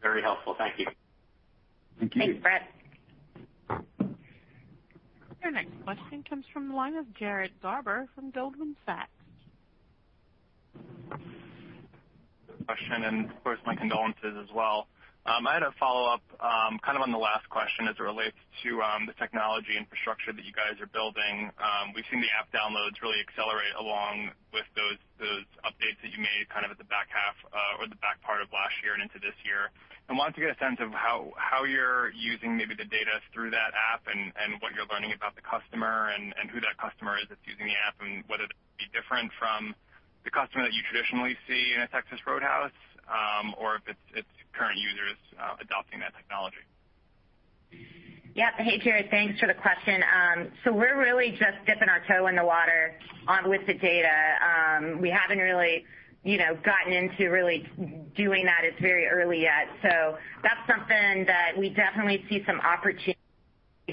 Very helpful. Thank you. Thank you. Thanks, Brett. Your next question comes from the line of Jared Garber from Goldman Sachs. Question. Of course, my condolences as well. I had a follow-up on the last question as it relates to the technology infrastructure that you guys are building. We've seen the app downloads really accelerate along with those updates that you made at the back half or the back part of last year and into this year. I wanted to get a sense of how you're using maybe the data through that app and what you're learning about the customer and who that customer is that's using the app, and whether they'd be different from the customer that you traditionally see in a Texas Roadhouse, or if it's current users adopting that technology. Yep. Hey, Jared. Thanks for the question. We're really just dipping our toe in the water with the data. We haven't really gotten into really doing that. It's very early yet. That's something that we definitely see some opportunity with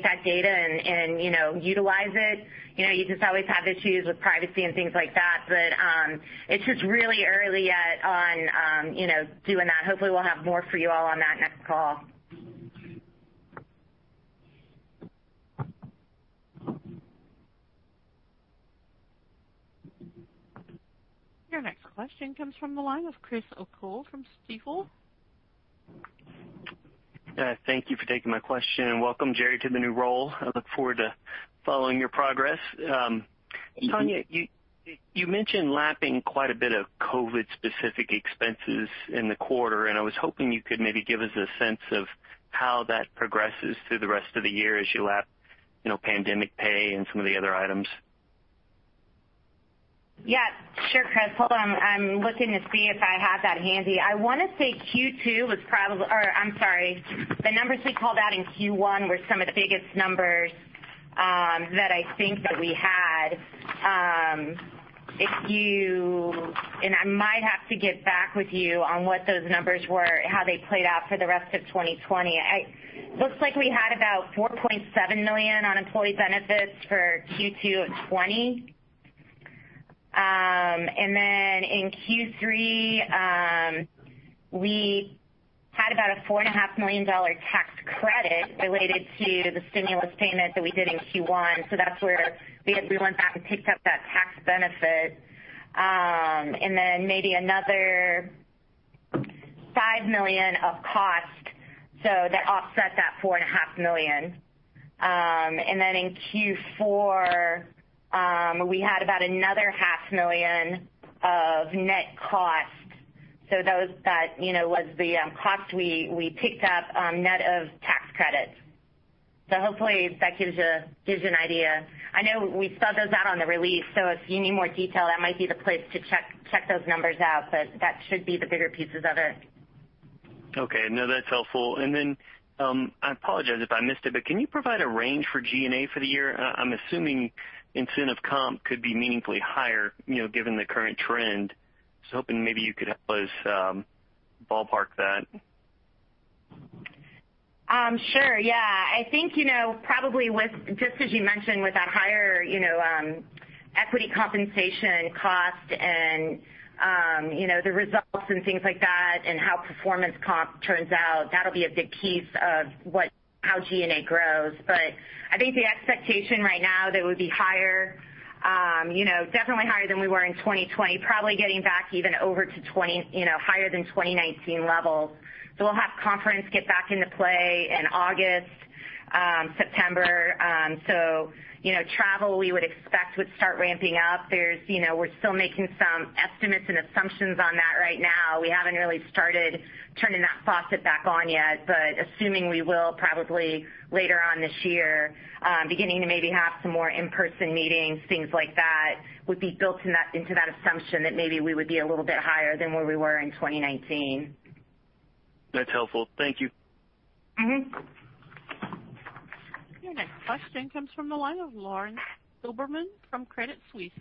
that data and utilize it. You just always have issues with privacy and things like that. It's just really early yet on doing that. Hopefully, we'll have more for you all on that next call. Your next question comes from the line of Chris O'Cull from Stifel. Thank you for taking my question, and welcome Jerry to the new role. I look forward to following your progress. Thank you. Tonya, you mentioned lapping quite a bit of COVID-specific expenses in the quarter. I was hoping you could maybe give us a sense of how that progresses through the rest of the year as you lap pandemic pay and some of the other items. Sure, Chris. Hold on. I'm looking to see if I have that handy. The numbers we called out in Q1 were some of the biggest numbers that I think that we had. I might have to get back with you on what those numbers were, how they played out for the rest of 2020. Looks like we had about $4.7 million on employee benefits for Q2 of 2020. In Q3, we had about a $4.5 million tax credit related to the stimulus payment that we did in Q1. That's where we went back and picked up that tax benefit. Maybe another $5 million of cost, that offset that $4.5 million. In Q4, we had about another $500,000 of net cost. That was the cost we picked up net of tax credits. Hopefully that gives you an idea. I know we spelled those out on the release, so if you need more detail, that might be the place to check those numbers out. That should be the bigger pieces of it. Okay. No, that's helpful. I apologize if I missed it, but can you provide a range for G&A for the year? I'm assuming incentive comp could be meaningfully higher, given the current trend. Hoping maybe you could help us ballpark that. Sure. Yeah. I think probably with, just as you mentioned, with that higher equity compensation cost and the results and things like that and how performance comp turns out, that'll be a big piece of how G&A grows. I think the expectation right now that it would be higher, definitely higher than we were in 2020, probably getting back even higher than 2019 levels. We'll have conference get back into play in August, September. Travel, we would expect, would start ramping up. We're still making some estimates and assumptions on that right now. We haven't really started turning that faucet back on yet. Assuming we will probably later on this year, beginning to maybe have some more in-person meetings, things like that, would be built into that assumption that maybe we would be a little bit higher than where we were in 2019. That's helpful. Thank you. Your next question comes from the line of Lauren Silberman from Credit Suisse.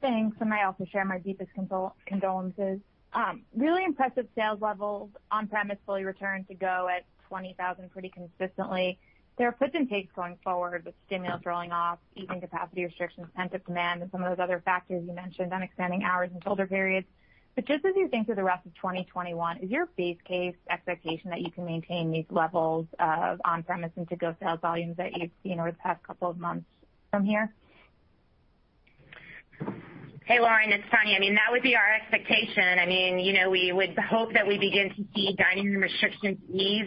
Thanks, and I also share my deepest condolences. Really impressive sales levels. On-premise fully returned to-go at 20,000 pretty consistently. There are puts and takes going forward with stimulus rolling off, easing capacity restrictions, pent-up demand, and some of those other factors you mentioned on extending hours and shoulder periods. Just as you think through the rest of 2021, is your base case expectation that you can maintain these levels of on-premise and to-go sales volumes that you've seen over the past couple of months from here? Hey, Lauren, it's Tonya. That would be our expectation. We would hope that we begin to see dining room restrictions ease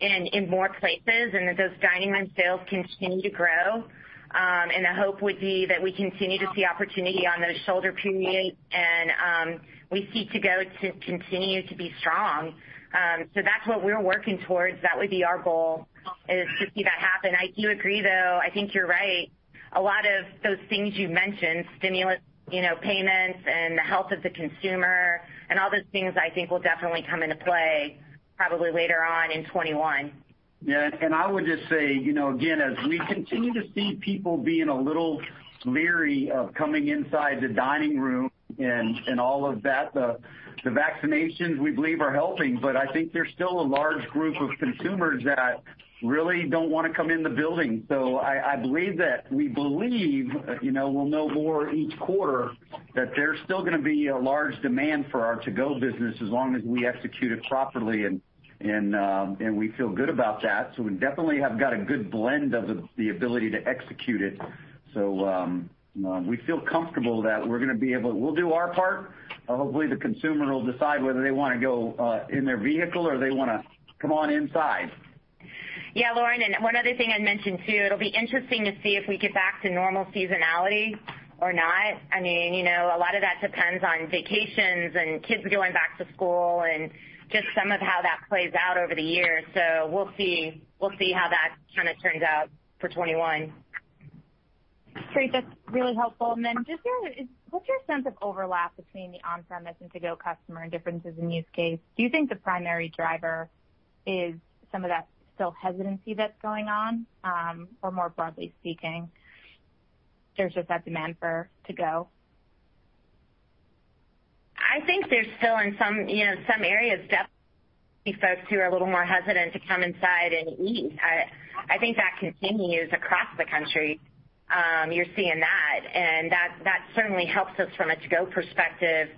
in more places and that those dining room sales continue to grow. The hope would be that we continue to see opportunity on those shoulder periods and we see to-go to continue to be strong. That's what we're working towards. That would be our goal is to see that happen. I do agree, though. I think you're right. A lot of those things you mentioned, stimulus payments and the health of the consumer and all those things, I think, will definitely come into play probably later on in 2021. Yeah, I would just say, again, as we continue to see people being a little leery of coming inside the dining room and all of that, the vaccinations, we believe, are helping. I think there's still a large group of consumers that really don't want to come in the building. I believe that we believe, we'll know more each quarter, that there's still going to be a large demand for our to-go business as long as we execute it properly and we feel good about that. We definitely have got a good blend of the ability to execute it. We feel comfortable that We'll do our part. Hopefully, the consumer will decide whether they want to go in their vehicle or they want to come on inside. Yeah, Lauren, one other thing I'd mention, too, it'll be interesting to see if we get back to normal seasonality or not. A lot of that depends on vacations and kids going back to school and just some of how that plays out over the year. We'll see how that turns out for 2021. Great. That's really helpful. What's your sense of overlap between the on-premise and to-go customer and differences in use case? Do you think the primary driver is some of that still hesitancy that's going on? More broadly speaking, there's just that demand for to-go. I think there's still, in some areas, definitely folks who are a little more hesitant to come inside and eat. I think that continues across the country. You're seeing that, and that certainly helps us from a to-go perspective,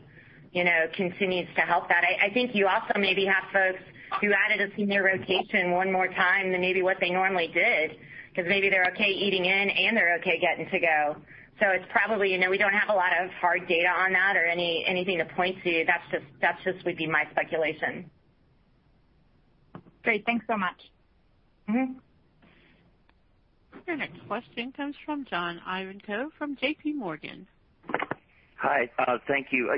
continues to help that. I think you also maybe have folks who added a senior rotation one more time than maybe what they normally did because maybe they're okay eating in and they're okay getting to go. We don't have a lot of hard data on that or anything to point to. That just would be my speculation. Great. Thanks so much. Your next question comes from John Ivankoe from JPMorgan. Hi. Thank you.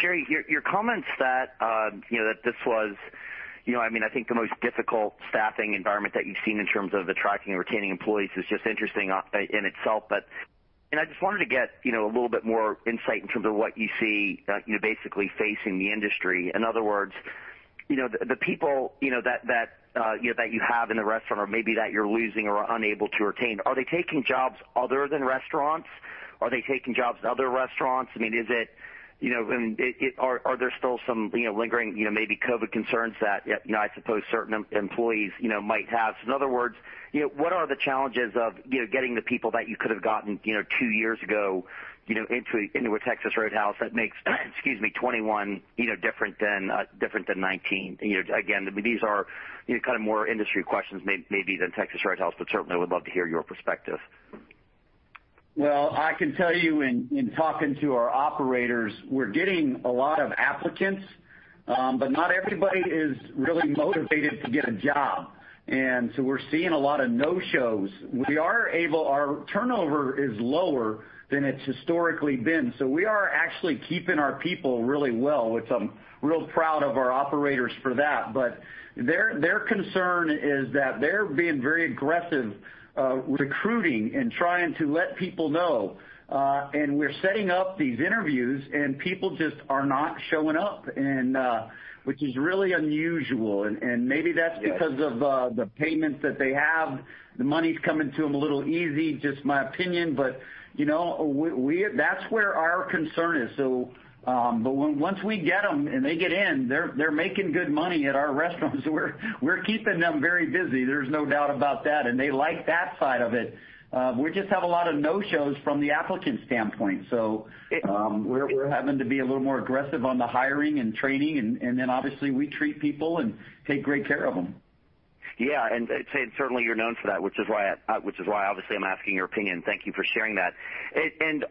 Jerry, your comments that this was I think the most difficult staffing environment that you've seen in terms of attracting and retaining employees is just interesting in itself. I just wanted to get a little bit more insight in terms of what you see you're basically facing the industry. In other words, the people that you have in the restaurant or maybe that you're losing or are unable to retain, are they taking jobs other than restaurants? Are they taking jobs at other restaurants? Are there still some lingering, maybe COVID concerns that, I suppose certain employees might have? In other words, what are the challenges of getting the people that you could have gotten two years ago into a Texas Roadhouse that makes excuse me, 2021 different than 2019? Again, these are kind of more industry questions maybe than Texas Roadhouse, but certainly would love to hear your perspective. Well, I can tell you in talking to our operators, we're getting a lot of applicants. Not everybody is really motivated to get a job, we're seeing a lot of no-shows. Our turnover is lower than it's historically been, we are actually keeping our people really well, which I'm real proud of our operators for that. Their concern is that they're being very aggressive recruiting and trying to let people know. We're setting up these interviews, people just are not showing up, which is really unusual, maybe that's because of the payments that they have. The money's coming to them a little easy, just my opinion. That's where our concern is. Once we get them and they get in, they're making good money at our restaurants. We're keeping them very busy, there's no doubt about that, and they like that side of it. We just have a lot of no-shows from the applicant standpoint. We're having to be a little more aggressive on the hiring and training, and then obviously we treat people and take great care of them. Yeah. I'd say certainly you're known for that, which is why obviously I'm asking your opinion. Thank you for sharing that.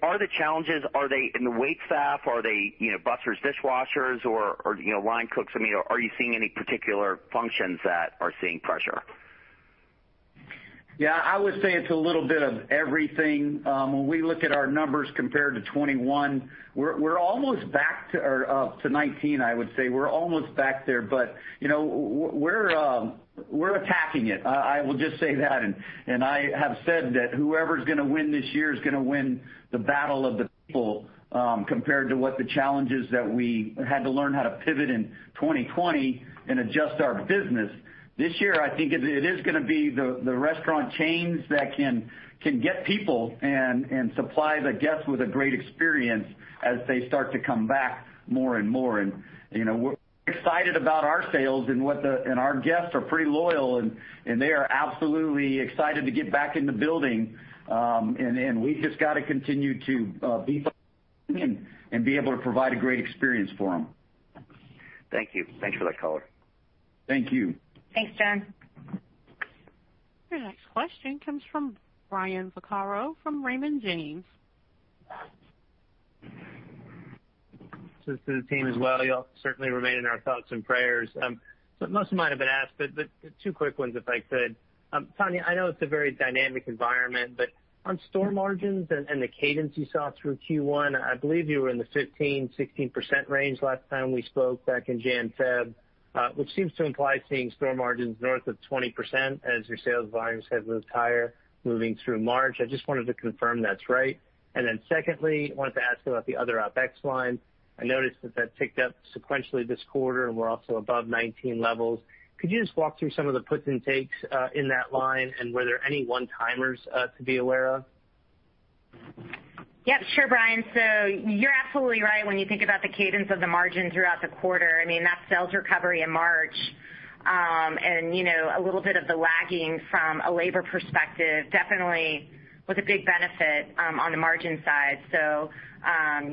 Are the challenges, are they in the waitstaff? Are they busers, dishwashers, or line cooks? Are you seeing any particular functions that are seeing pressure? I would say it's a little bit of everything. When we look at our numbers compared to 2021, we're almost back to 2019, I would say. We're almost back there. We're attacking it. I will just say that, and I have said that whoever's going to win this year is going to win the battle of the people, compared to what the challenges that we had to learn how to pivot in 2020 and adjust our business. This year, I think it is going to be the restaurant chains that can get people and supply the guests with a great experience as they start to come back more and more. We're excited about our sales and our guests are pretty loyal, and they are absolutely excited to get back in the building. We've just got to continue to be and be able to provide a great experience for them. Thank you. Thanks for that color. Thank you. Thanks, John. Your next question comes from Brian Vaccaro from Raymond James. To the team as well, you all certainly remain in our thoughts and prayers. Most of mine have been asked, but two quick ones, if I could. Tonya, I know it's a very dynamic environment, but on store margins and the cadence you saw through Q1, I believe you were in the 15%-16% range last time we spoke back in January, February, which seems to imply seeing store margins north of 20% as your sales volumes have moved higher moving through March. I just wanted to confirm that's right. Secondly, wanted to ask about the other OpEx line. I noticed that that ticked up sequentially this quarter, and we're also above 2019 levels. Could you just walk through some of the puts and takes in that line? Were there any one-timers to be aware of? Yep. Sure, Brian. You're absolutely right when you think about the cadence of the margin throughout the quarter. That sales recovery in March, and a little bit of the lagging from a labor perspective definitely was a big benefit on the margin side.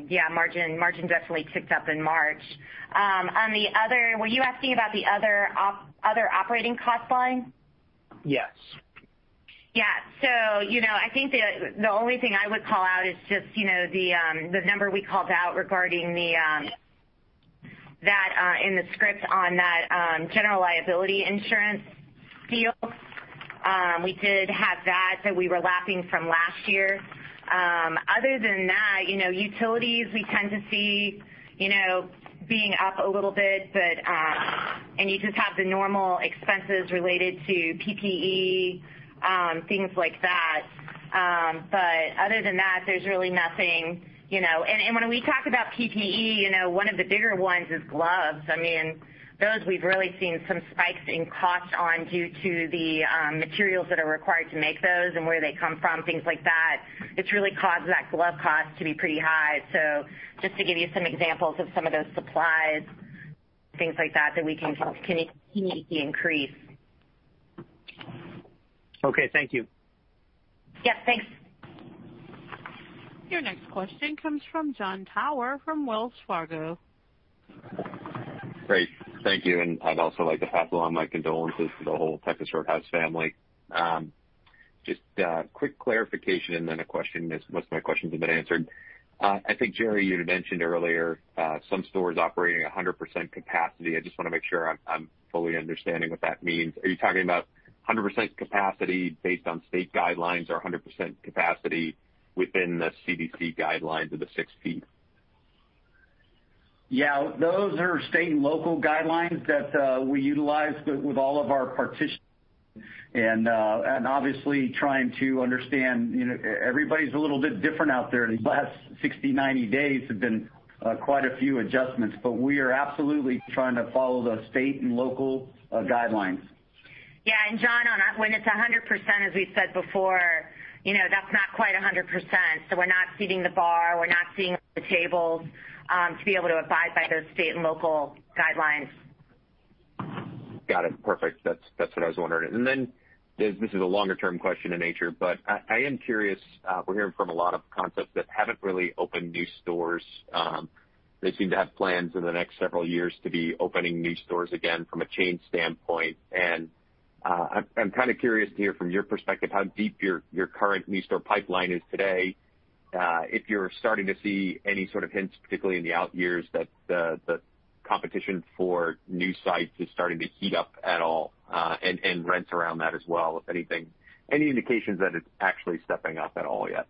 Yeah, margin definitely ticked up in March. Were you asking about the other operating cost line? Yes. I think the only thing I would call out is just the number we called out regarding in the script on that general liability insurance deal. We did have that we were lapping from last year. Other than that, utilities, we tend to see being up a little bit. You just have the normal expenses related to PPE, things like that. Other than that, there's really nothing. When we talk about PPE, one of the bigger ones is gloves. Those we've really seen some spikes in cost on due to the materials that are required to make those and where they come from, things like that. It's really caused that glove cost to be pretty high. Just to give you some examples of some of those supplies, things like that we can see increase. Okay. Thank you. Yep. Thanks. Your next question comes from Jon Tower from Wells Fargo. Great. Thank you. I'd also like to pass along my condolences to the whole Texas Roadhouse family. Just a quick clarification and then a question, as most of my questions have been answered. I think, Jerry, you had mentioned earlier some stores operating 100% capacity. I just want to make sure I'm fully understanding what that means. Are you talking about 100% capacity based on state guidelines or 100% capacity within the CDC guidelines of the 6 ft? Yeah. Those are state and local guidelines that we utilize with all of our partitions and obviously trying to understand, everybody's a little bit different out there. These last 60, 90 days have been quite a few adjustments, but we are absolutely trying to follow the state and local guidelines. Yeah. Jon, when it's 100%, as we've said before, that's not quite 100%. We're not seating the bar, we're not seating the tables to be able to abide by those state and local guidelines. Got it. Perfect. That's what I was wondering. This is a longer-term question in nature, but I am curious, we're hearing from a lot of concepts that haven't really opened new stores. They seem to have plans in the next several years to be opening new stores again from a chain standpoint. I'm kind of curious to hear from your perspective how deep your current new store pipeline is today. If you're starting to see any sort of hints, particularly in the out years, that the competition for new sites is starting to heat up at all, and rents around that as well, if any indications that it's actually stepping up at all yet?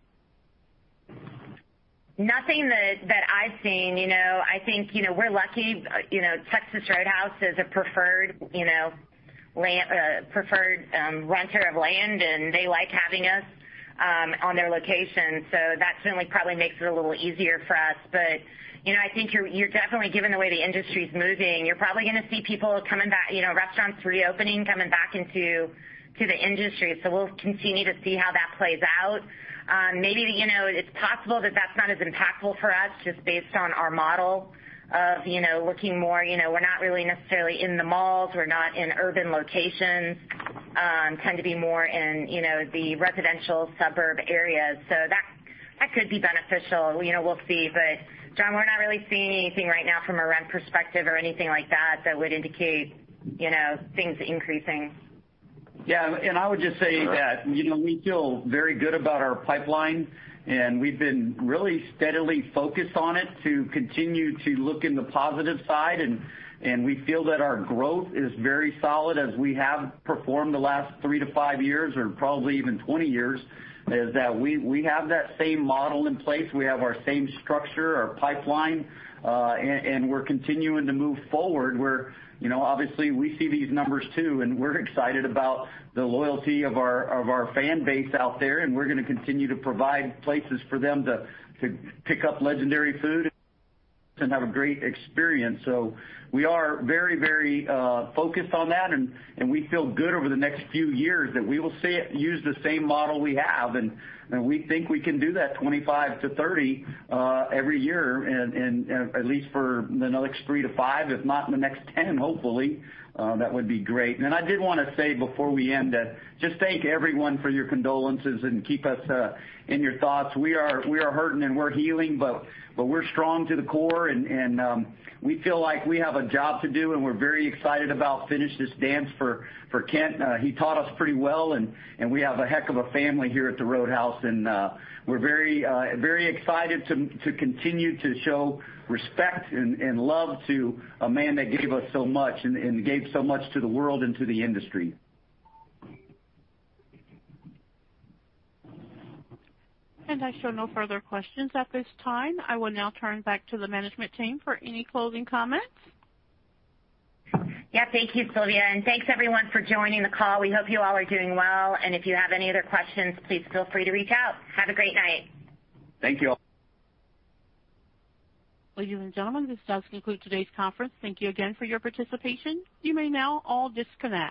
Nothing that I've seen. I think we're lucky. Texas Roadhouse is a preferred renter of land, and they like having us on their location. That certainly probably makes it a little easier for us. I think you're definitely, given the way the industry's moving, you're probably going to see people coming back, restaurants reopening, coming back into the industry. We'll continue to see how that plays out. Maybe it's possible that that's not as impactful for us just based on our model of working more. We're not really necessarily in the malls. We're not in urban locations. Tend to be more in the residential suburb areas. That could be beneficial. We'll see. Jon, we're not really seeing anything right now from a rent perspective or anything like that that would indicate things increasing. Yeah, I would just say that we feel very good about our pipeline, we've been really steadily focused on it to continue to look in the positive side. We feel that our growth is very solid as we have performed the last three to five years, or probably even 20 years, is that we have that same model in place. We have our same structure, our pipeline, we're continuing to move forward where obviously we see these numbers too, we're excited about the loyalty of our fan base out there. We're going to continue to provide places for them to pick up legendary food and have a great experience. We are very focused on that, we feel good over the next few years that we will use the same model we have. We think we can do that 25-30 every year, at least for the next three to five, if not in the next 10, hopefully. That would be great. I did want to say before we end, just thank everyone for your condolences and keep us in your thoughts. We are hurting and we're healing, but we're strong to the core and we feel like we have a job to do and we're very excited about finish this dance for Kent. He taught us pretty well and we have a heck of a family here at the Roadhouse and we're very excited to continue to show respect and love to a man that gave us so much and gave so much to the world and to the industry. I show no further questions at this time. I will now turn back to the management team for any closing comments. Yeah. Thank you, Sylvia. Thanks everyone for joining the call. We hope you all are doing well. If you have any other questions, please feel free to reach out. Have a great night. Thank you all. Ladies and gentlemen, this does conclude today's conference. Thank you again for your participation. You may now all disconnect.